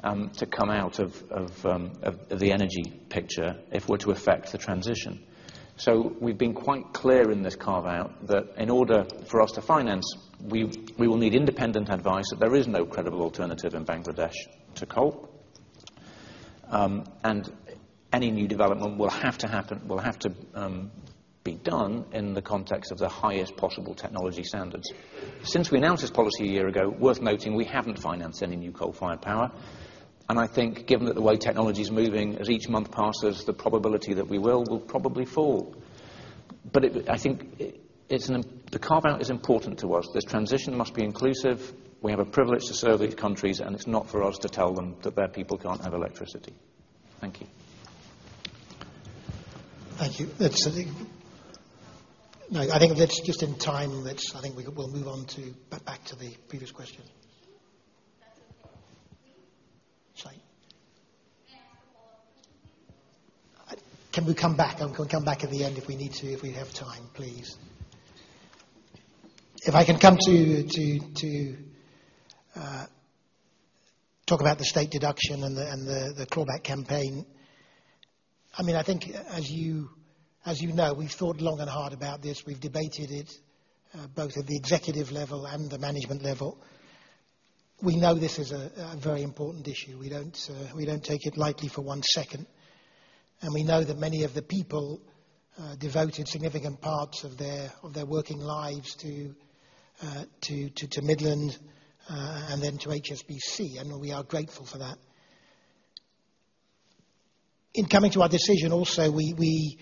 Speaker 2: to come out of the energy picture if we're to affect the transition. We've been quite clear in this carve-out that in order for us to finance, we will need independent advice that there is no credible alternative in Bangladesh to coal. Any new development will have to be done in the context of the highest possible technology standards. Since we announced this policy a year ago, worth noting we haven't financed any new coal-fired power, I think given that the way technology's moving, as each month passes, the probability that we will probably fall. I think the carve-out is important to us. This transition must be inclusive. We have a privilege to serve these countries, it's not for us to tell them that their people can't have electricity. Thank you.
Speaker 1: Thank you. I think that's just in time. I think we will move on back to the previous question. Sorry. Can we come back? I'm going to come back at the end if we need to, if we have time, please. If I can come to talk about the state deduction and the clawback campaign. I think as you know, we've thought long and hard about this. We've debated it both at the executive level and the management level. We know this is a very important issue. We don't take it lightly for one second. We know that many of the people devoted significant parts of their working lives to Midland, and then to HSBC, and we are grateful for that. In coming to our decision also, we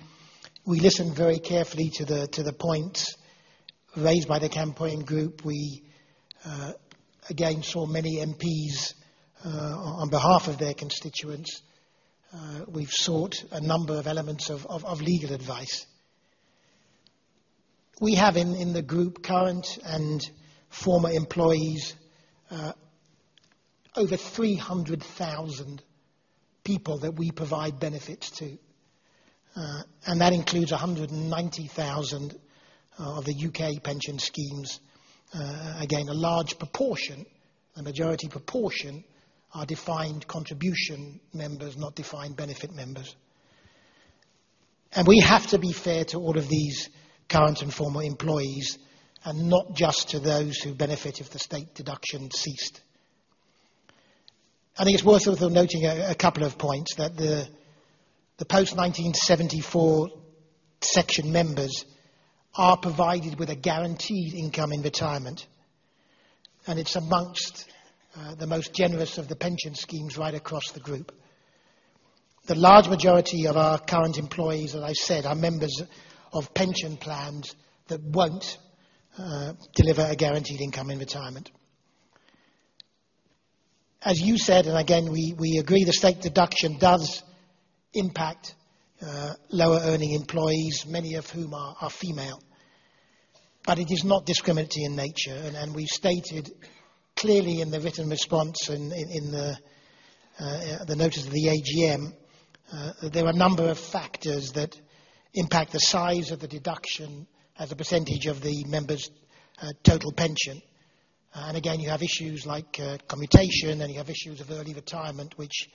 Speaker 1: listened very carefully to the points raised by the campaign group. We, again, saw many MPs on behalf of their constituents. We've sought a number of elements of legal advice. We have in the group, current and former employees, over 300,000 people that we provide benefits to. That includes 190,000 of the U.K. pension schemes. A large proportion, a majority proportion, are defined contribution members, not defined benefit members. We have to be fair to all of these current and former employees, and not just to those who benefit if the state deduction ceased. I think it's worth noting a couple of points, that the post-1974 section members are provided with a guaranteed income in retirement, and it's amongst the most generous of the pension schemes right across the group. The large majority of our current employees, as I said, are members of pension plans that won't deliver a guaranteed income in retirement. As you said, we agree, the state deduction does impact lower-earning employees, many of whom are female. It is not discriminatory in nature, we stated clearly in the written response in the notice of the AGM, there are a number of factors that impact the size of the deduction as a percentage of the member's total pension. You have issues like commutation, you have issues of early retirement, which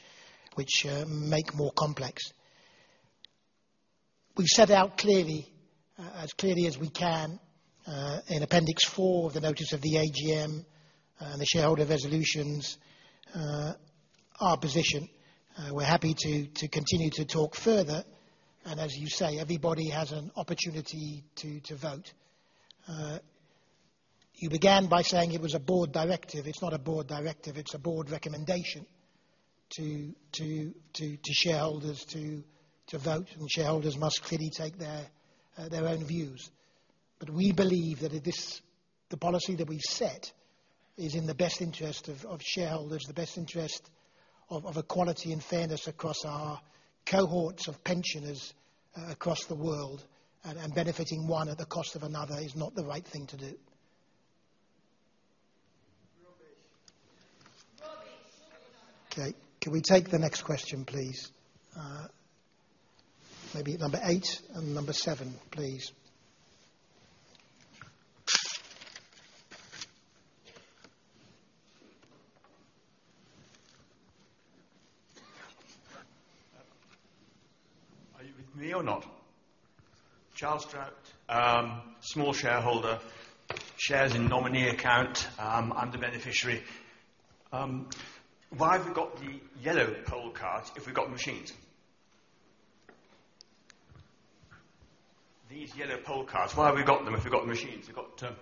Speaker 1: make more complex. We've set out clearly, as clearly as we can, in appendix four of the notice of the AGM, the shareholder resolutions, our position. We're happy to continue to talk further, as you say, everybody has an opportunity to vote. You began by saying it was a board directive. It's not a board directive, it's a board recommendation to shareholders to vote, shareholders must clearly take their own views. We believe that the policy that we've set is in the best interest of shareholders, the best interest of equality and fairness across our cohorts of pensioners across the world, benefiting one at the cost of another is not the right thing to do. Okay, can we take the next question, please? Maybe number eight and number seven, please.
Speaker 7: Are you with me or not? [Charles Stroud]. Small shareholder. Shares in nominee account. I'm the beneficiary. Why have we got the yellow poll cards if we've got machines? These yellow poll cards, why have we got them if we've got machines? We've got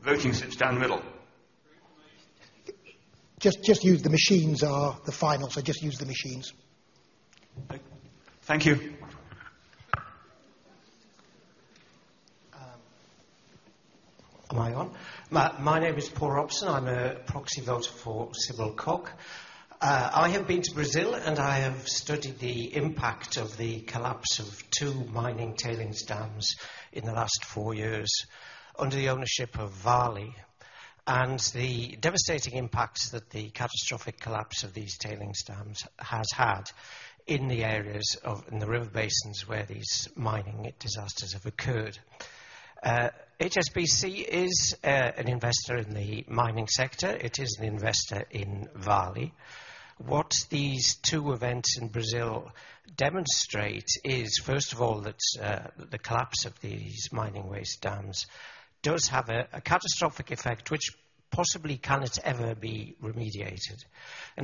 Speaker 7: voting slips down the middle.
Speaker 1: Very funny. Just use the machines are the final, so just use the machines.
Speaker 7: Thank you.
Speaker 8: Am I on? My name is [Paul Robson]. I'm a proxy voter for Sybil Cock. I have been to Brazil, and I have studied the impact of the collapse of two mining tailings dams in the last four years under the ownership of Vale, and the devastating impacts that the catastrophic collapse of these tailings dams has had in the areas in the river basins where these mining disasters have occurred. HSBC is an investor in the mining sector. It is an investor in Vale. What these two events in Brazil demonstrate is, first of all, that the collapse of these mining waste dams does have a catastrophic effect, which possibly cannot ever be remediated.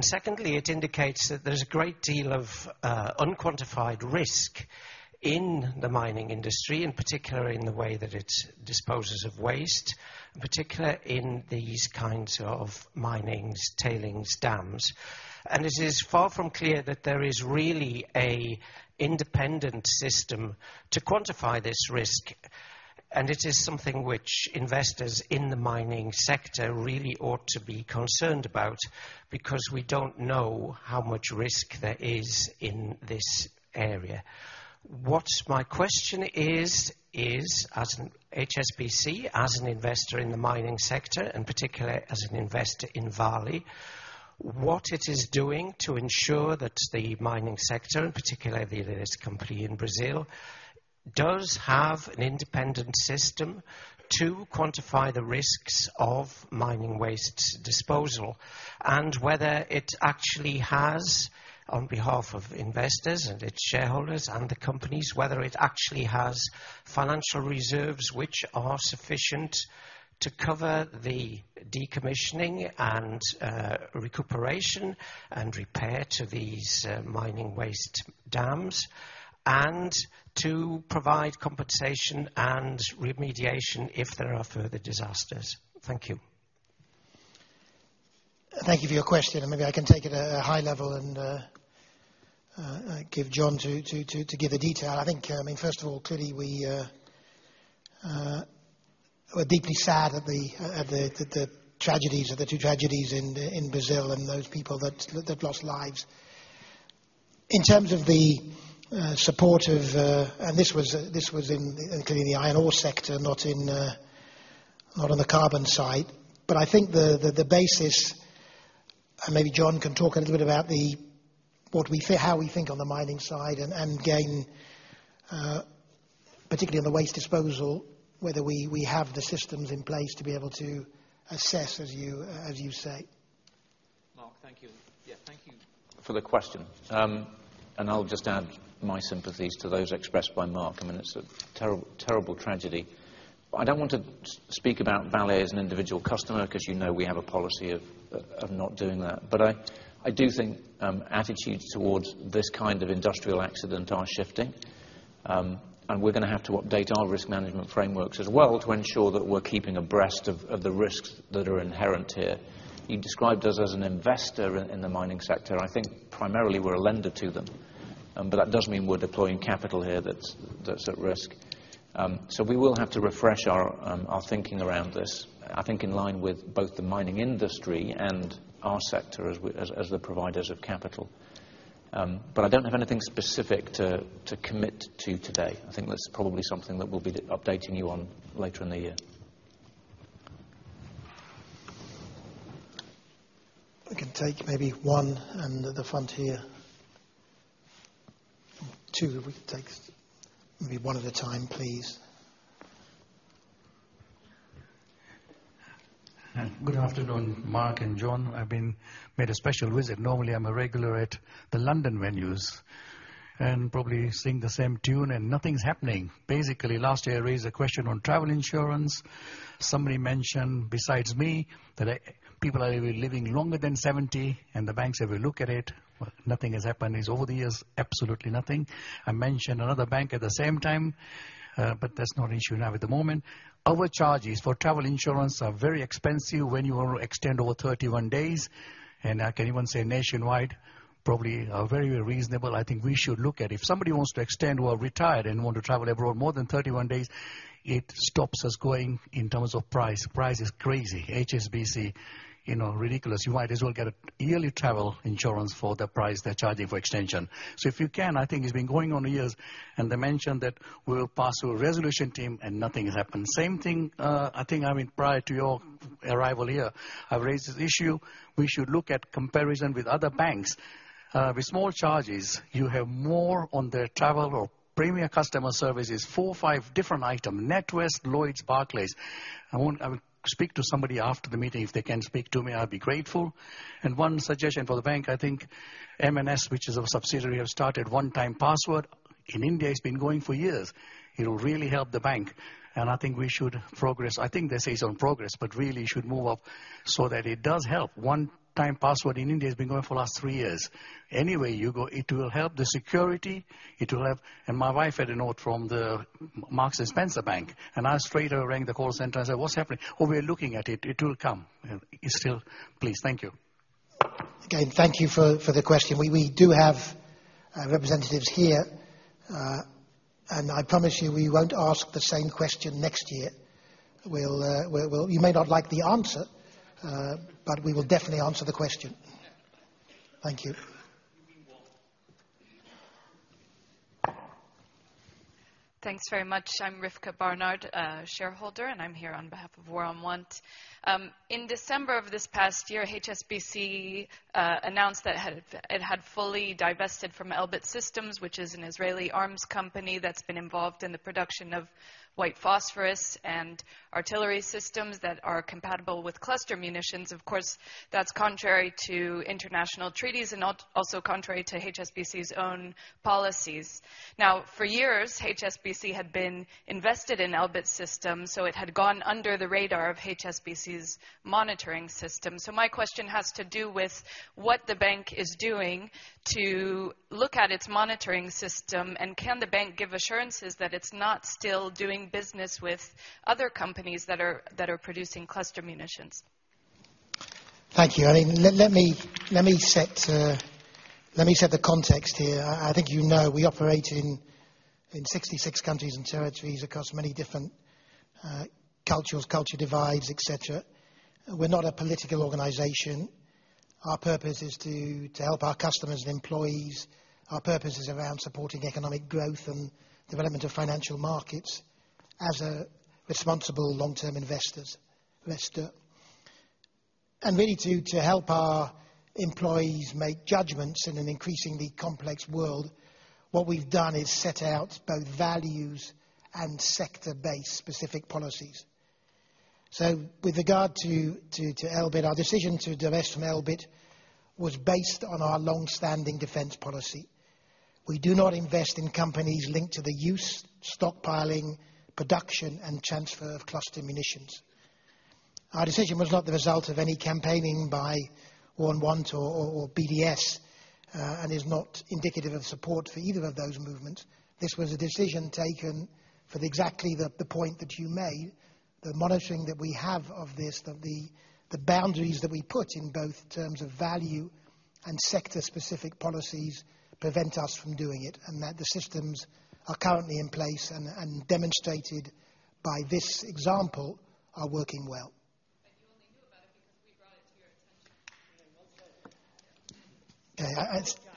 Speaker 8: Secondly, it indicates that there's a great deal of unquantified risk in the mining industry, and particularly in the way that it disposes of waste, and particularly in these kinds of mining's tailings dams. It is far from clear that there is really an independent system to quantify this risk. It is something which investors in the mining sector really ought to be concerned about, because we don't know how much risk there is in this area. What my question is as HSBC, as an investor in the mining sector, and particularly as an investor in Vale, what it is doing to ensure that the mining sector, and particularly this company in Brazil, does have an independent system to quantify the risks of mining waste disposal, and whether it actually has, on behalf of investors and its shareholders and the companies, whether it actually has financial reserves which are sufficient to cover the decommissioning and recuperation and repair to these mining waste dams, and to provide compensation and remediation if there are further disasters. Thank you.
Speaker 1: Thank you for your question, and maybe I can take it at a high level and give John to give the detail. I think, first of all, clearly we are deeply sad at the two tragedies in Brazil and those people that lost lives. In terms of the support of this was including the iron ore sector, not on the carbon side. I think the basis, and maybe John can talk a little bit about how we think on the mining side and again, particularly on the waste disposal, whether we have the systems in place to be able to assess, as you say.
Speaker 2: Mark, thank you. Thank you for the question. I'll just add my sympathies to those expressed by Mark. I mean, it's a terrible tragedy. I don't want to speak about Vale as an individual customer, because you know we have a policy of not doing that. I do think attitudes towards this kind of industrial accident are shifting. We're going to have to update our risk management frameworks as well to ensure that we're keeping abreast of the risks that are inherent here. You described us as an investor in the mining sector. I think primarily we're a lender to them. That does mean we're deploying capital here that's at risk. We will have to refresh our thinking around this, I think in line with both the mining industry and our sector as the providers of capital. I don't have anything specific to commit to today. I think that's probably something that we'll be updating you on later in the year.
Speaker 1: I can take maybe one at the front here. We can take maybe one at a time, please.
Speaker 9: Good afternoon, Mark and John. I've made a special visit. Normally, I'm a regular at the London venues and probably sing the same tune, nothing's happening. Basically, last year, I raised a question on travel insurance. Somebody mentioned besides me that people are living longer than 70, the banks will look at it. Well, nothing has happened. It's over the years, absolutely nothing. I mentioned another bank at the same time, but that's not an issue now at the moment. Overcharges for travel insurance are very expensive when you want to extend over 31 days. Can anyone say Nationwide probably are very reasonable. I think we should look at if somebody wants to extend who are retired and want to travel abroad more than 31 days, it stops us going in terms of price. Price is crazy. HSBC, ridiculous. You might as well get a yearly travel insurance for the price they're charging for extension. If you can, I think it's been going on years, they mentioned that we will pass to a resolution team, nothing has happened. Same thing, I think, I mean, prior to your arrival here, I raised this issue. We should look at comparison with other banks. With small charges, you have more on their travel or premier customer services, four or five different item, NatWest, Lloyds, Barclays. I will speak to somebody after the meeting. If they can speak to me, I'll be grateful. One suggestion for the bank, I think M&S, which is a subsidiary, have started one-time password. In India, it's been going for years. It will really help the bank, I think we should progress.
Speaker 5: I think they say it's on progress, really should move up so that it does help. One-time password in India has been going for the last three years. Anywhere you go, it will help the security. My wife had a note from the Marks & Spencer Bank, I straight away rang the call center. I said, "What's happening?" "Oh, we're looking at it. It will come." It's still Please, thank you.
Speaker 1: Again, thank you for the question. We do have representatives here, and I promise you, we won't ask the same question next year. You may not like the answer, but we will definitely answer the question. Thank you.
Speaker 10: Thanks very much. I'm Ryvka Barnard, a shareholder, and I'm here on behalf of War on Want. In December of this past year, HSBC announced that it had fully divested from Elbit Systems, which is an Israeli arms company that's been involved in the production of white phosphorus and artillery systems that are compatible with cluster munitions. Of course, that's contrary to international treaties and also contrary to HSBC's own policies. For years, HSBC had been invested in Elbit Systems, so it had gone under the radar of HSBC's monitoring system. My question has to do with what the bank is doing to look at its monitoring system, and can the bank give assurances that it's not still doing business with other companies that are producing cluster munitions?
Speaker 1: Thank you. Let me set the context here. I think you know we operate in 66 countries and territories across many different culture divides, et cetera. We're not a political organization. Our purpose is to help our customers and employees. Our purpose is around supporting economic growth and development of financial markets as responsible long-term investors. Really to help our employees make judgments in an increasingly complex world, what we've done is set out both values and sector-based specific policies. With regard to Elbit, our decision to divest from Elbit was based on our longstanding defense policy. We do not invest in companies linked to the use, stockpiling, production, and transfer of cluster munitions. Our decision was not the result of any campaigning by War on Want or BDS, and is not indicative of support for either of those movements. This was a decision taken for exactly the point that you made, the monitoring that we have of this, that the boundaries that we put in both terms of value and sector-specific policies prevent us from doing it, and that the systems are currently in place and demonstrated by this example are working well.
Speaker 10: You only knew about it because we brought it to your attention.
Speaker 4: I want to add.
Speaker 1: Okay.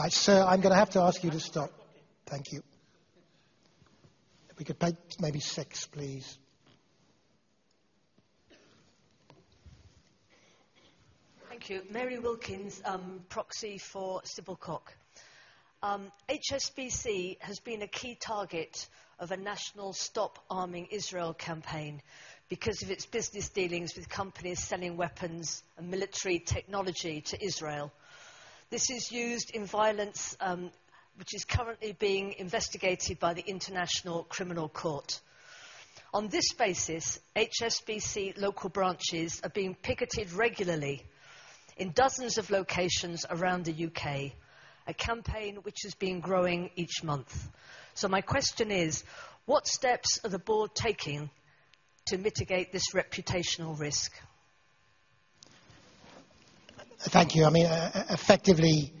Speaker 4: You have to treat people with respect and consult us by saying, "We will listen." If you made a mistake, be brave enough and said, "We as a bank failed those people who died as a result of that." Banking is not-
Speaker 1: Sir, I'm going to have to ask you to stop.
Speaker 4: Okay.
Speaker 1: Thank you. If we could take maybe six, please.
Speaker 11: Thank you. [Mary Wilkins], proxy for Sybil Cock. HSBC has been a key target of a national Stop Arming Israel campaign because of its business dealings with companies selling weapons and military technology to Israel. This is used in violence, which is currently being investigated by the International Criminal Court. On this basis, HSBC local branches are being picketed regularly in dozens of locations around the U.K., a campaign which has been growing each month. My question is, what steps are the board taking to mitigate this reputational risk?
Speaker 1: Thank you. Effectively,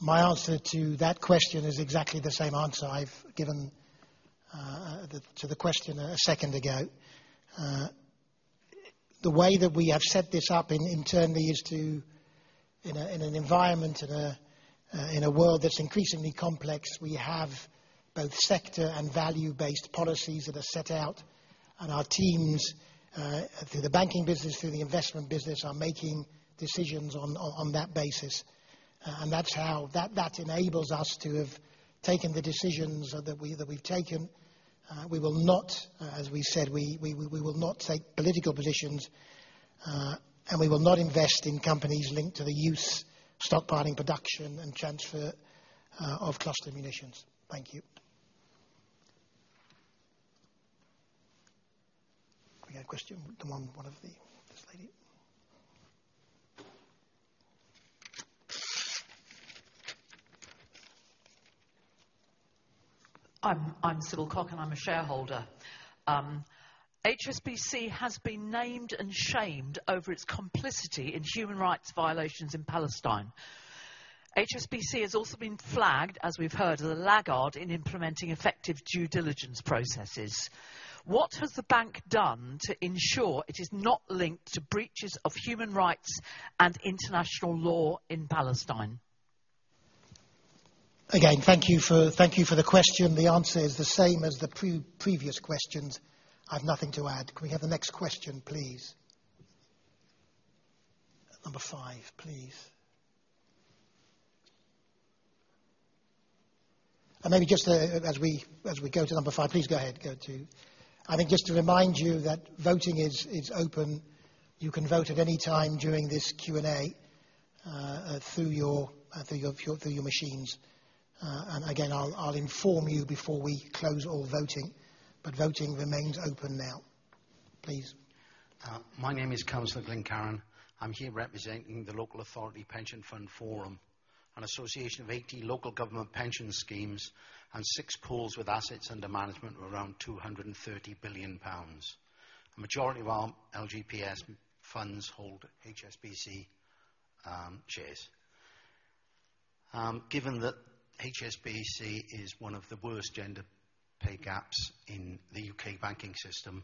Speaker 1: my answer to that question is exactly the same answer I've given to the question a second ago. The way that we have set this up internally is to, in an environment, in a world that's increasingly complex, we have both sector and value-based policies that are set out, and our teams, through the banking business, through the investment business, are making decisions on that basis. That enables us to have taken the decisions that we've taken. As we said, we will not take political positions, and we will not invest in companies linked to the use, stockpiling, production, and transfer of cluster munitions. Thank you. Can we get a question, the one, this lady.
Speaker 12: I'm [Sybil Cock], and I'm a shareholder. HSBC has been named and shamed over its complicity in human rights violations in Palestine. HSBC has also been flagged, as we've heard, as a laggard in implementing effective due diligence processes. What has the bank done to ensure it is not linked to breaches of human rights and international law in Palestine?
Speaker 1: Again, thank you for the question. The answer is the same as the previous questions. I've nothing to add. Can we have the next question, please? Maybe just as we go to number five, please go ahead. I think just to remind you that voting is open. You can vote at any time during this Q&A through your machines. Again, I'll inform you before we close all voting. Voting remains open now. Please.
Speaker 13: My name is Councilor Glenn Caron. I'm here representing the Local Authority Pension Fund Forum, an association of 80 local government pension schemes and six pools with assets under management of around 230 billion pounds. A majority of our LGPS funds hold HSBC shares. Given that HSBC is one of the worst gender pay gaps in the U.K. banking system,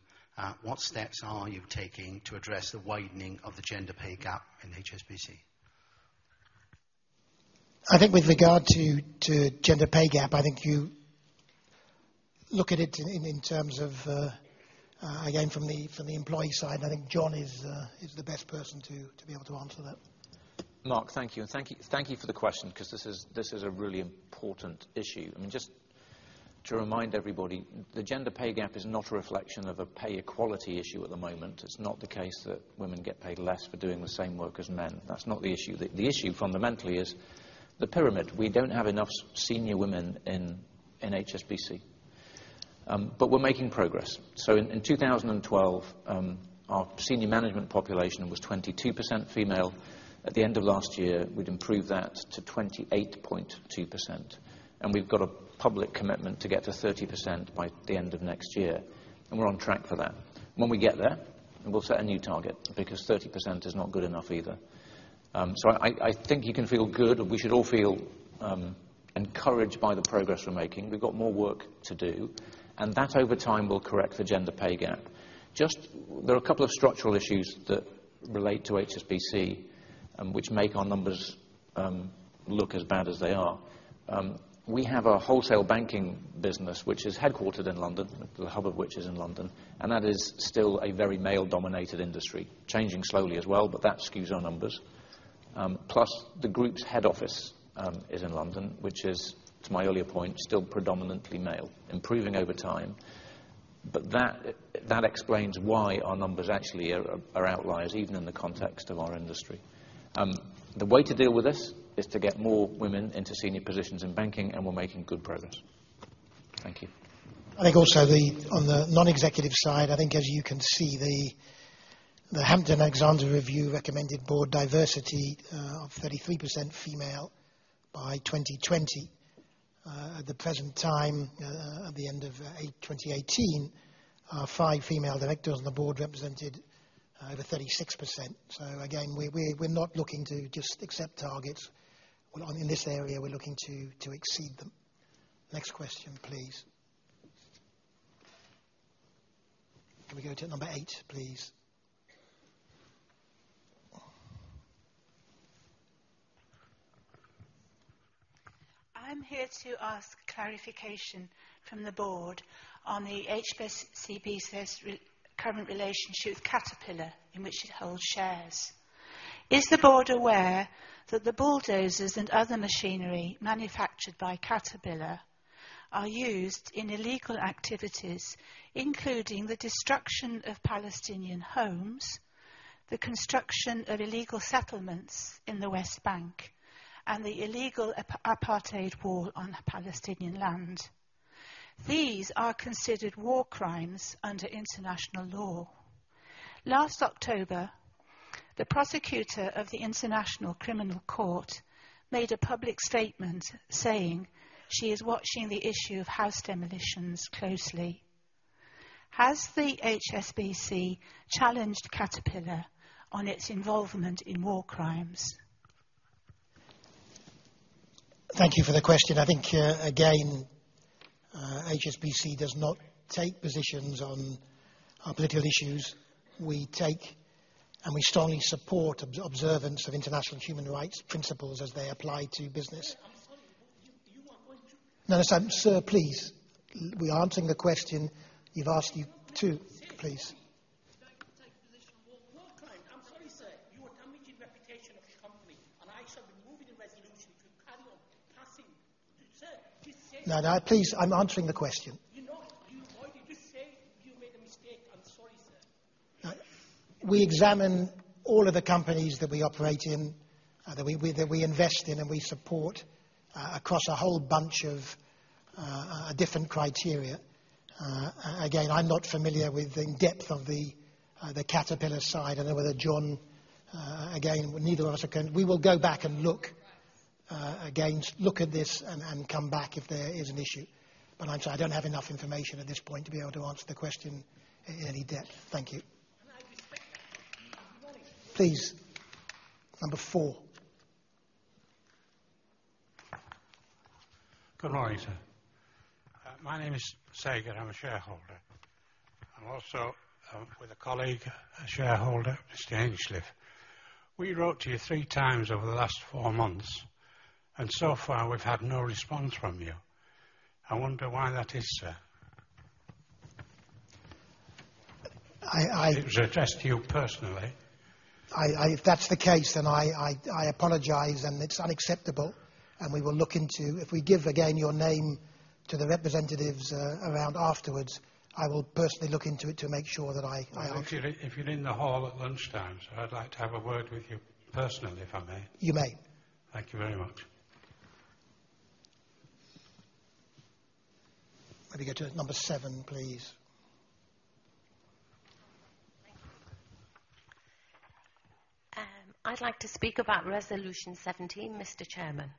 Speaker 13: what steps are you taking to address the widening of the gender pay gap in HSBC?
Speaker 1: I think with regard to gender pay gap, I think you look at it in terms of, again, from the employee side, I think John is the best person to be able to answer that.
Speaker 2: Mark, thank you. Thank you for the question because this is a really important issue. Just to remind everybody, the gender pay gap is not a reflection of a pay equality issue at the moment. It is not the case that women get paid less for doing the same work as men. That is not the issue. The issue fundamentally is the pyramid. We do not have enough senior women in HSBC. We are making progress. In 2012, our senior management population was 22% female. At the end of last year, we had improved that to 28.2%, and we have got a public commitment to get to 30% by the end of next year, and we are on track for that. When we get there, we will set a new target because 30% is not good enough either. I think you can feel good. We should all feel encouraged by the progress we are making. We have got more work to do. That over time will correct the gender pay gap. There are a couple of structural issues that relate to HSBC, which make our numbers look as bad as they are. We have our wholesale banking business, which is headquartered in London, the hub of which is in London. That is still a very male-dominated industry, changing slowly as well. That skews our numbers. The group's head office is in London, which is, to my earlier point, still predominantly male, improving over time. That explains why our numbers actually are outliers, even in the context of our industry. The way to deal with this is to get more women into senior positions in banking. We are making good progress. Thank you.
Speaker 1: I think also on the non-executive side, I think as you can see, the Hampton-Alexander Review recommended board diversity of 33% female by 2020. At the present time, at the end of 2018, our five female directors on the board represented over 36%. Again, we are not looking to just accept targets. In this area, we are looking to exceed them. Next question, please. Can we go to number eight, please?
Speaker 14: I am here to ask clarification from the board on the HSBC business' current relationship with Caterpillar, in which it holds shares. Is the board aware that the bulldozers and other machinery manufactured by Caterpillar are used in illegal activities, including the destruction of Palestinian homes, the construction of illegal settlements in the West Bank, and the illegal apartheid wall on Palestinian land? These are considered war crimes under international law. Last October, the prosecutor of the International Criminal Court made a public statement saying she is watching the issue of house demolitions closely. Has the HSBC challenged Caterpillar on its involvement in war crimes?
Speaker 1: Thank you for the question. I think, again, HSBC does not take positions on political issues. We take and we strongly support observance of international human rights principles as they apply to business.
Speaker 4: I'm sorry, you are going to.
Speaker 1: No, sir. Please. We're answering the question you've asked you to. Please.
Speaker 4: You've got to take a position on war crime. I'm sorry, sir. You are damaging reputation of this company, and I shall be moving a resolution to carry on passing. Sir, just say.
Speaker 1: No, please, I'm answering the question.
Speaker 4: You're not. Why did you say you made a mistake? I'm sorry, sir.
Speaker 1: We examine all of the companies that we operate in, that we invest in, and we support across a whole bunch of different criteria. Again, I'm not familiar with the depth of the Caterpillar side. I don't know whether John, again, neither of us can We will go back and look again. Look at this and come back if there is an issue. I'm sorry, I don't have enough information at this point to be able to answer the question in any depth. Thank you.
Speaker 4: Can I be speaking?
Speaker 1: Please, number four.
Speaker 15: Good morning, sir. My name is Sager. I'm a shareholder. I'm also, with a colleague, a shareholder, Mr. Hinchcliffe. We wrote to you three times over the last four months. So far, we've had no response from you. I wonder why that is, sir. It was addressed to you personally.
Speaker 1: If that's the case, I apologize. It's unacceptable. We will look into If we give, again, your name to the representatives around afterwards, I will personally look into it to make sure that.
Speaker 15: If you're in the hall at lunchtime, sir, I'd like to have a word with you personally, if I may.
Speaker 1: You may.
Speaker 15: Thank you very much.
Speaker 1: Let me get to number seven, please.
Speaker 16: Thank you. I'd like to speak about Resolution 17, Mr. Chairman.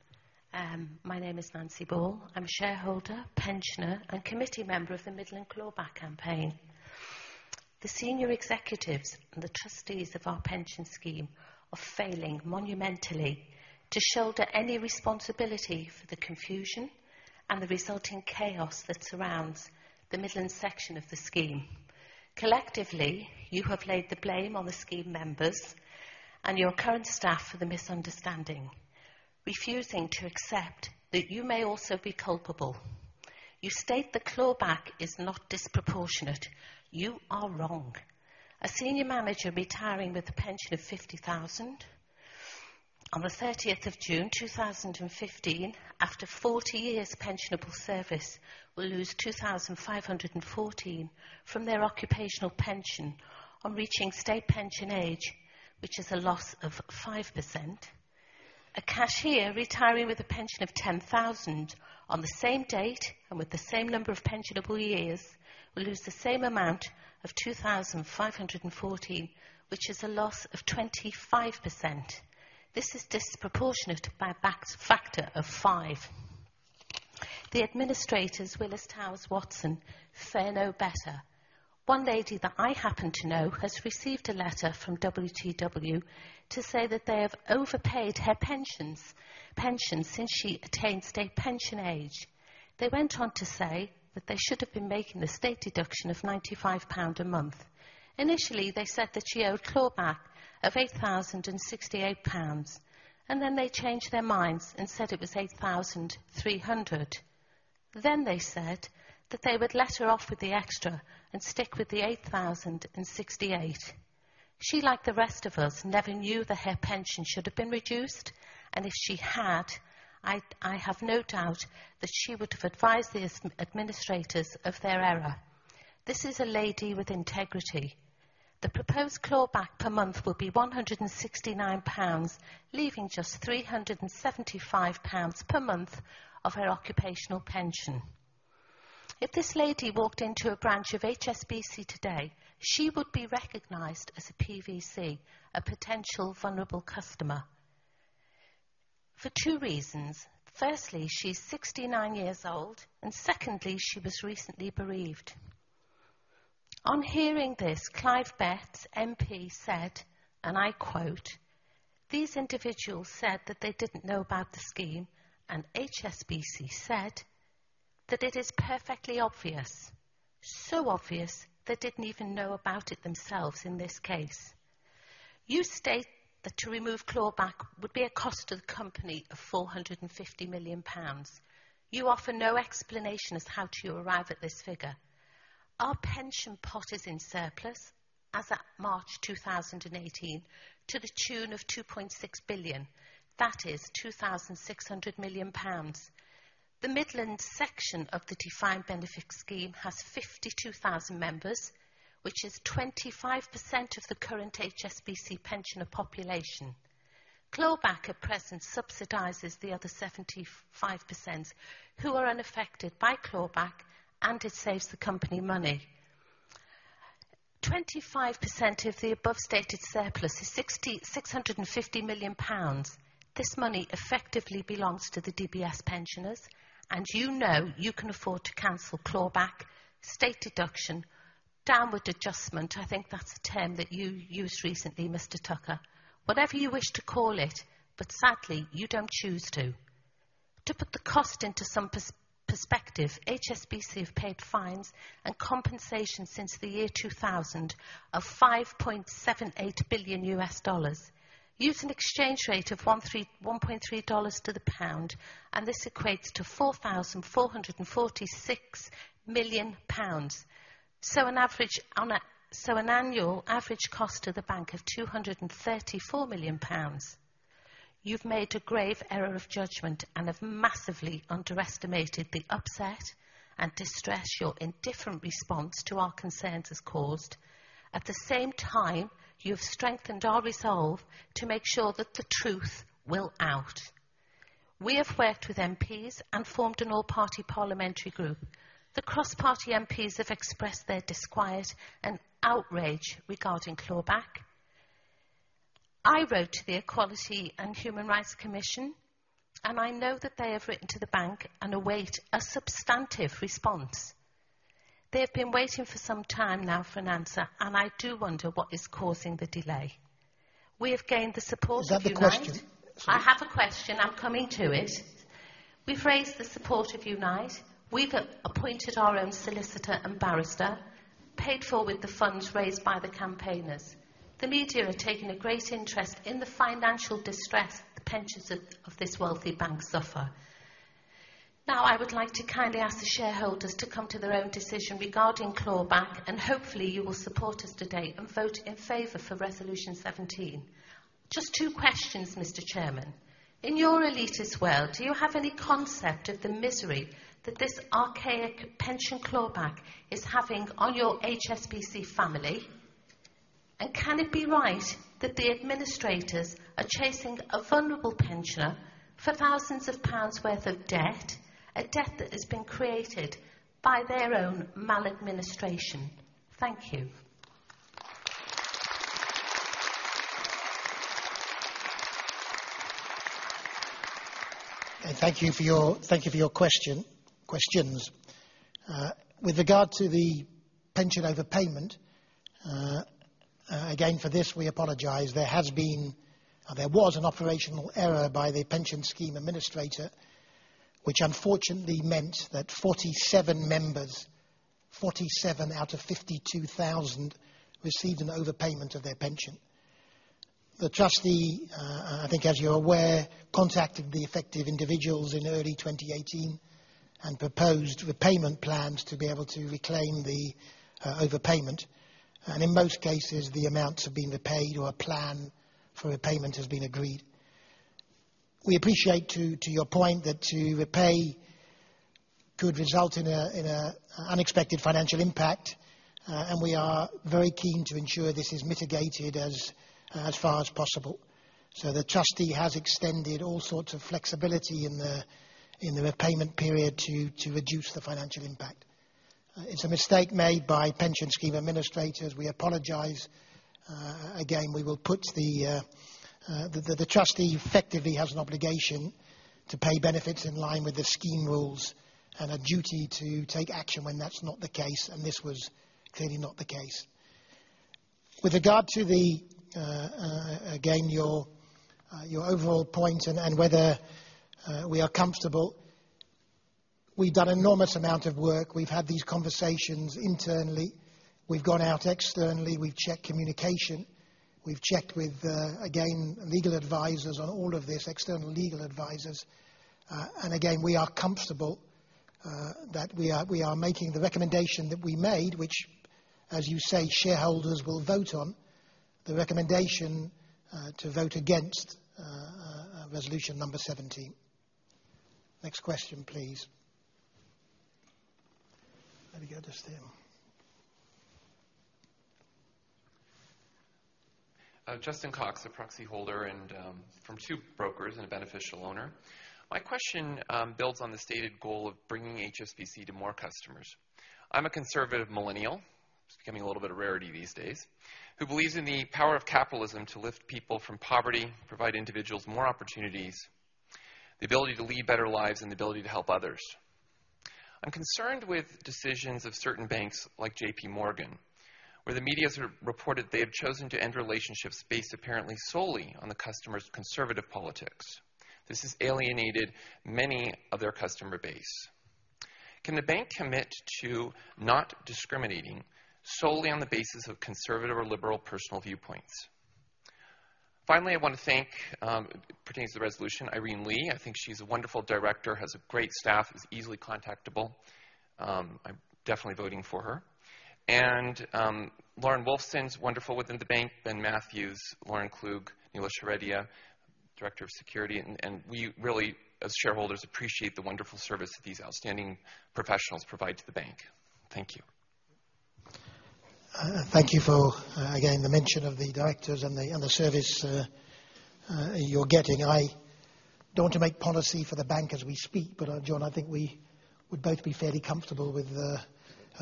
Speaker 16: My name is [Nancy Ball]. I'm a shareholder, pensioner, and committee member of the Midland Clawback Campaign. The senior executives and the trustees of our pension scheme are failing monumentally to shoulder any responsibility for the confusion and the resulting chaos that surrounds the Midland section of the scheme. Collectively, you have laid the blame on the scheme members and your current staff for the misunderstanding, refusing to accept that you may also be culpable. You state the clawback is not disproportionate. You are wrong. A senior manager retiring with a pension of 50,000 on the 30th of June, 2015, after 40 years' pensionable service, will lose 2,514 from their occupational pension on reaching state pension age, which is a loss of 5%. A cashier retiring with a pension of 10,000 on the same date and with the same number of pensionable years will lose the same amount of 2,514, which is a loss of 25%. This is disproportionate by a factor of five. The administrators, Willis Towers Watson, fare no better. One lady that I happen to know has received a letter from WTW to say that they have overpaid her pension since she attained state pension age. They went on to say that they should have been making the state deduction of 95 pound a month. Initially, they said that she owed clawback of 8,068 pounds, then they changed their minds and said it was 8,300. Then they said that they would let her off with the extra and stick with the 8,068. She, like the rest of us, never knew that her pension should have been reduced, and if she had, I have no doubt that she would have advised the administrators of their error. This is a lady with integrity. The proposed clawback per month will be 169 pounds, leaving just 375 pounds per month of her occupational pension. If this lady walked into a branch of HSBC today, she would be recognized as a PVC, a potential vulnerable customer, for two reasons. Firstly, she's 69 years old, and secondly, she was recently bereaved. On hearing this, Clive Betts, MP, said, and I quote, "These individuals said that they didn't know about the scheme, and HSBC said that it is perfectly obvious. So obvious, they didn't even know about it themselves, in this case." You state that to remove clawback would be a cost to the company of 450 million pounds. You offer no explanation as how do you arrive at this figure. Our pension pot is in surplus as at March 2018 to the tune of 2.6 billion. That is 2,600 million pounds. The Midland section of the defined benefit scheme has 52,000 members, which is 25% of the current HSBC pensioner population. Clawback at present subsidizes the other 75% who are unaffected by clawback, and it saves the company money. 25% of the above stated surplus is 650 million pounds. This money effectively belongs to the DBS pensioners, you know you can afford to cancel clawback, state deduction, downward adjustment, I think that's a term that you used recently, Mr. Tucker. Whatever you wish to call it, sadly, you don't choose to. To put the cost into some perspective, HSBC have paid fines and compensation since the year 2000 of $5.78 billion. Use an exchange rate of $1.30 to the pound, this equates to 4,446 million pounds. An annual average cost to the bank of 234 million pounds. You've made a grave error of judgment and have massively underestimated the upset and distress your indifferent response to our concerns has caused. At the same time, you've strengthened our resolve to make sure that the truth will out. We have worked with MPs and formed an all-party parliamentary group. The cross-party MPs have expressed their disquiet and outrage regarding clawback. I wrote to the Equality and Human Rights Commission, I know that they have written to the bank and await a substantive response. They have been waiting for some time now for an answer, I do wonder what is causing the delay. We have gained the support of Unite.
Speaker 1: Is that the question? Sorry.
Speaker 16: I have a question. I'm coming to it. We've raised the support of Unite. We've appointed our own solicitor and barrister, paid for with the funds raised by the campaigners. The media are taking a great interest in the financial distress the pensioners of this wealthy bank suffer. I would like to kindly ask the shareholders to come to their own decision regarding clawback, and hopefully you will support us today and vote in favor for Resolution 17. Just two questions, Mr. Chairman. In your elitist world, do you have any concept of the misery that this archaic pension clawback is having on your HSBC family? Can it be right that the administrators are chasing a vulnerable pensioner for thousands of pounds worth of debt, a debt that has been created by their own maladministration? Thank you.
Speaker 1: Thank you for your questions. With regard to the pension overpayment, for this we apologize. There was an operational error by the pension scheme administrator, which unfortunately meant that 47 members, 47 out of 52,000, received an overpayment of their pension. The trustee, as you're aware, contacted the affected individuals in early 2018 and proposed repayment plans to be able to reclaim the overpayment, and in most cases, the amounts have been repaid or a plan for repayment has been agreed. The trustee has extended all sorts of flexibility in the repayment period to reduce the financial impact. It's a mistake made by pension scheme administrators. We apologize. The trustee effectively has an obligation to pay benefits in line with the scheme rules and a duty to take action when that's not the case, and this was clearly not the case. With regard to your overall point and whether we are comfortable, we've done enormous amount of work. We've had these conversations internally. We've gone out externally. We've checked communication. We've checked with legal advisors on all of this, external legal advisors. We are comfortable that we are making the recommendation that we made, which, as you say, shareholders will vote on, the recommendation to vote against Resolution 17. Next question, please. Let me go to Steve.
Speaker 17: [Justin Cox], a proxy holder from two brokers and a beneficial owner. My question builds on the stated goal of bringing HSBC to more customers. I'm a conservative millennial, which is becoming a little bit of rarity these days, who believes in the power of capitalism to lift people from poverty, provide individuals more opportunities, the ability to lead better lives, and the ability to help others. I'm concerned with decisions of certain banks like JPMorgan, where the media's reported they have chosen to end relationships based apparently solely on the customer's conservative politics. This has alienated many of their customer base. Can the bank commit to not discriminating solely on the basis of conservative or liberal personal viewpoints? Finally, I want to thank, pertaining to the resolution, Irene Lee. I think she's a wonderful director, has a great staff, is easily contactable. I'm definitely voting for her. Lauren Wolfson's wonderful within the bank, Ben Mathews, Lauren Klug, Nila Cheredia, Director of Security, and we really, as shareholders, appreciate the wonderful service that these outstanding professionals provide to the bank. Thank you.
Speaker 1: Thank you for, again, the mention of the directors and the service you're getting. I don't want to make policy for the bank as we speak, John, I think we would both be fairly comfortable with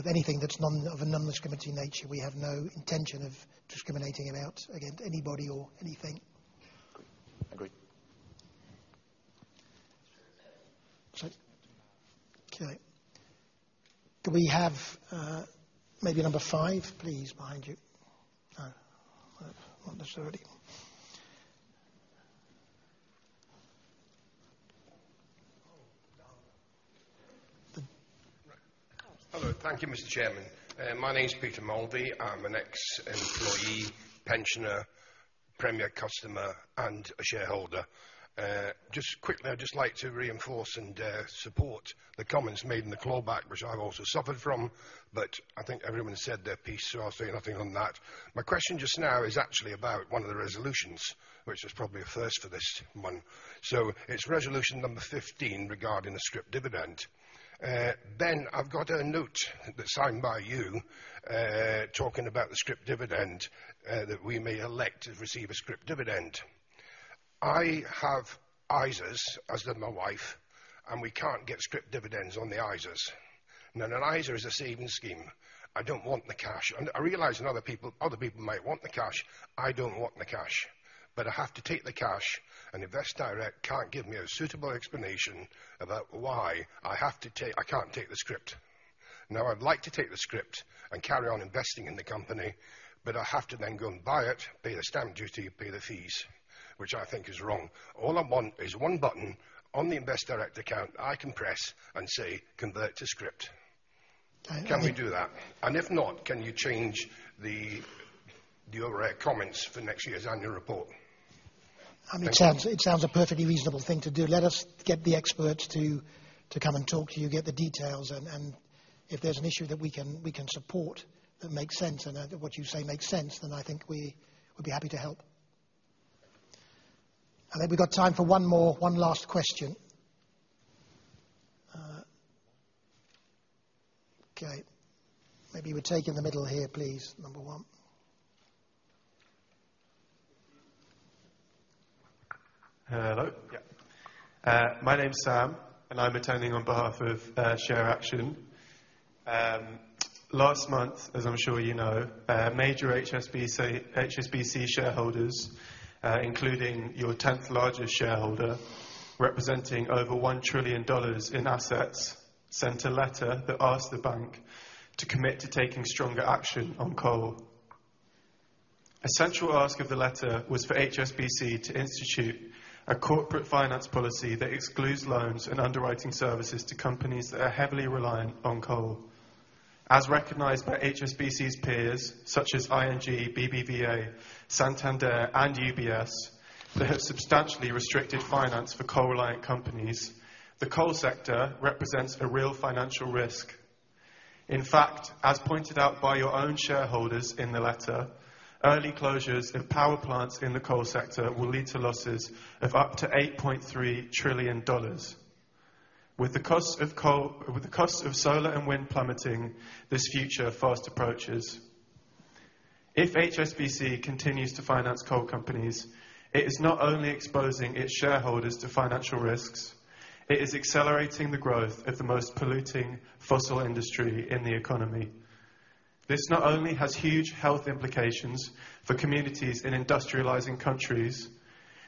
Speaker 1: anything that's of a non-discriminating nature. We have no intention of discriminating against anybody or anything.
Speaker 18: Agree.
Speaker 1: Sorry. Okay. Do we have maybe number five, please? Behind you. No. Not necessarily.
Speaker 18: Hello. Thank you, Mr. Chairman. My name's [Peter Moldy]. I'm an ex-employee, pensioner, premier customer, and a shareholder. Just quickly, I'd just like to reinforce and support the comments made in the clawback, which I've also suffered from. I think everyone said their piece, I'll say nothing on that. My question just now is actually about one of the resolutions, which is probably a first for this one. It's resolution number 15 regarding a scrip dividend. Ben, I've got a note that's signed by you, talking about the scrip dividend, that we may elect to receive a scrip dividend. I have ISAs, as does my wife, we can't get scrip dividends on the ISAs. An ISA is a savings scheme. I don't want the cash. I realize other people might want the cash. I don't want the cash. I have to take the cash, InvestDirect can't give me a suitable explanation about why I can't take the scrip. I'd like to take the scrip and carry on investing in the company, I have to then go and buy it, pay the stamp duty, pay the fees, which I think is wrong. All I want is one button on the InvestDirect account I can press and say, "Convert to scrip." Can we do that? If not, can you change the overall comments for next year's annual report?
Speaker 1: It sounds a perfectly reasonable thing to do. Let us get the experts to come and talk to you, get the details, if there's an issue that we can support that makes sense, and what you say makes sense, then I think we would be happy to help. I think we've got time for one more, one last question. Maybe we take in the middle here, please. Number one.
Speaker 19: Hello. Yeah. My name's Sam, and I'm attending on behalf of ShareAction. Last month, as I'm sure you know, major HSBC shareholders, including your 10th largest shareholder, representing over $1 trillion in assets, sent a letter that asked the bank to commit to taking stronger action on coal. Essential ask of the letter was for HSBC to institute a corporate finance policy that excludes loans and underwriting services to companies that are heavily reliant on coal. As recognized by HSBC's peers such as ING, BBVA, Santander, and UBS, that have substantially restricted finance for coal-reliant companies, the coal sector represents a real financial risk. In fact, as pointed out by your own shareholders in the letter, early closures of power plants in the coal sector will lead to losses of up to $8.3 trillion. With the cost of solar and wind plummeting, this future fast approaches. If HSBC continues to finance coal companies, it is not only exposing its shareholders to financial risks, it is accelerating the growth of the most polluting fossil industry in the economy. This not only has huge health implications for communities in industrializing countries,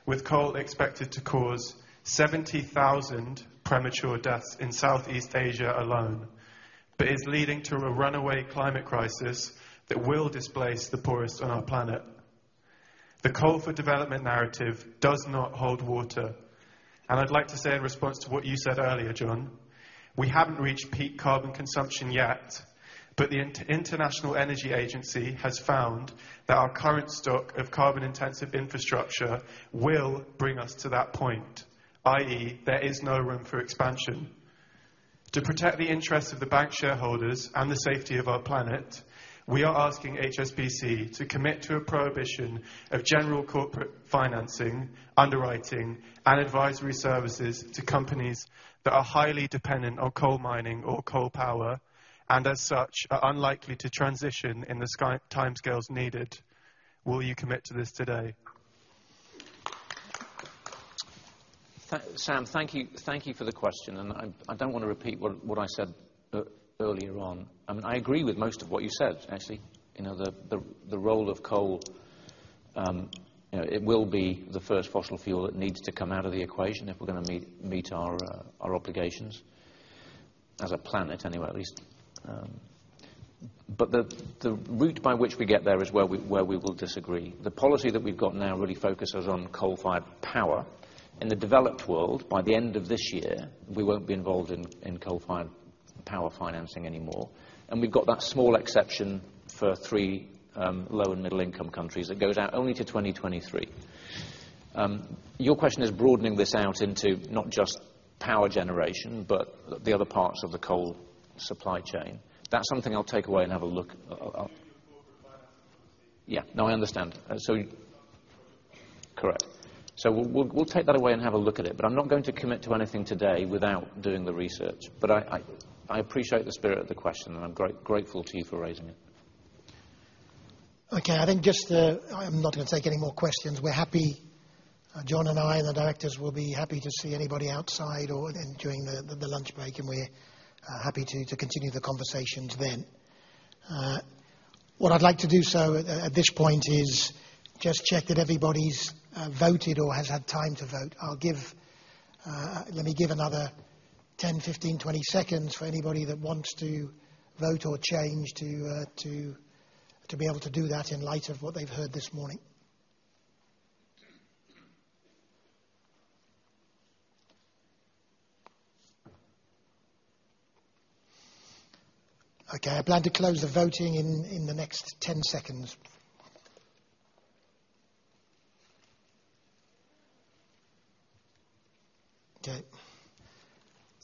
Speaker 19: with coal expected to cause 70,000 premature deaths in Southeast Asia alone, but is leading to a runaway climate crisis that will displace the poorest on our planet. The coal for development narrative does not hold water. I'd like to say in response to what you said earlier, John, we haven't reached peak carbon consumption yet, but the International Energy Agency has found that our current stock of carbon-intensive infrastructure will bring us to that point, i.e., there is no room for expansion. To protect the interests of the bank shareholders and the safety of our planet, we are asking HSBC to commit to a prohibition of general corporate financing, underwriting, and advisory services to companies that are highly dependent on coal mining or coal power, and as such, are unlikely to transition in the timescales needed. Will you commit to this today?
Speaker 2: Sam, thank you for the question. I don't want to repeat what I said earlier on. I agree with most of what you said, actually. The role of coal, it will be the first fossil fuel that needs to come out of the equation if we're going to meet our obligations as a planet anyway, at least. The route by which we get there is where we will disagree. The policy that we've got now really focuses on coal-fired power. In the developed world, by the end of this year, we won't be involved in coal-fired power financing anymore, and we've got that small exception for three low and middle-income countries that goes out only to 2023. Your question is broadening this out into not just power generation, but the other parts of the coal supply chain. That's something I'll take away and have a look-
Speaker 19: Continue your corporate finance policy.
Speaker 2: Yeah. No, I understand. Correct. We'll take that away and have a look at it. I'm not going to commit to anything today without doing the research. I appreciate the spirit of the question, and I'm grateful to you for raising it.
Speaker 1: Okay. I think I'm not going to take any more questions. We're happy, John and I and the directors will be happy to see anybody outside or during the lunch break, and we're happy to continue the conversations then. What I'd like to do so at this point is just check that everybody's voted or has had time to vote. Let me give another 10, 15, 20 seconds for anybody that wants to vote or change to be able to do that in light of what they've heard this morning. Okay. I plan to close the voting in the next 10 seconds. Okay.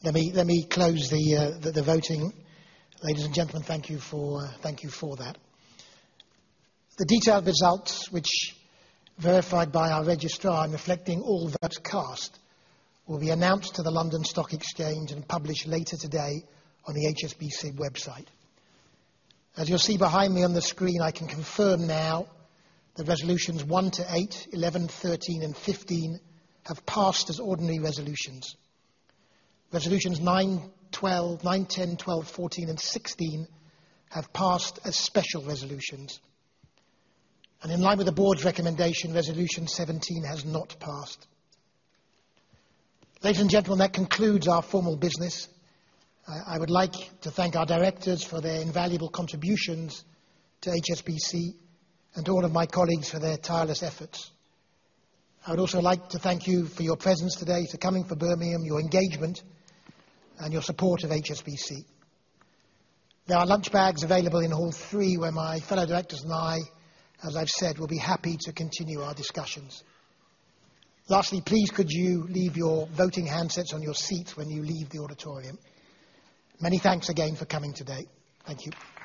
Speaker 1: Let me close the voting. Ladies and gentlemen, thank you for that. The detailed results, which verified by our registrar and reflecting all votes cast, will be announced to the London Stock Exchange and published later today on the HSBC website. As you'll see behind me on the screen, I can confirm now that resolutions one to eight, 11, 13, and 15 have passed as ordinary resolutions. Resolutions nine, 10, 12, 14, and 16 have passed as special resolutions. In line with the board's recommendation, resolution 17 has not passed. Ladies and gentlemen, that concludes our formal business. I would like to thank our directors for their invaluable contributions to HSBC and all of my colleagues for their tireless efforts. I would also like to thank you for your presence today, to coming for Birmingham, your engagement, and your support of HSBC. There are lunch bags available in hall three where my fellow directors and I, as I've said, will be happy to continue our discussions. Lastly, please could you leave your voting handsets on your seat when you leave the auditorium. Many thanks again for coming today. Thank you.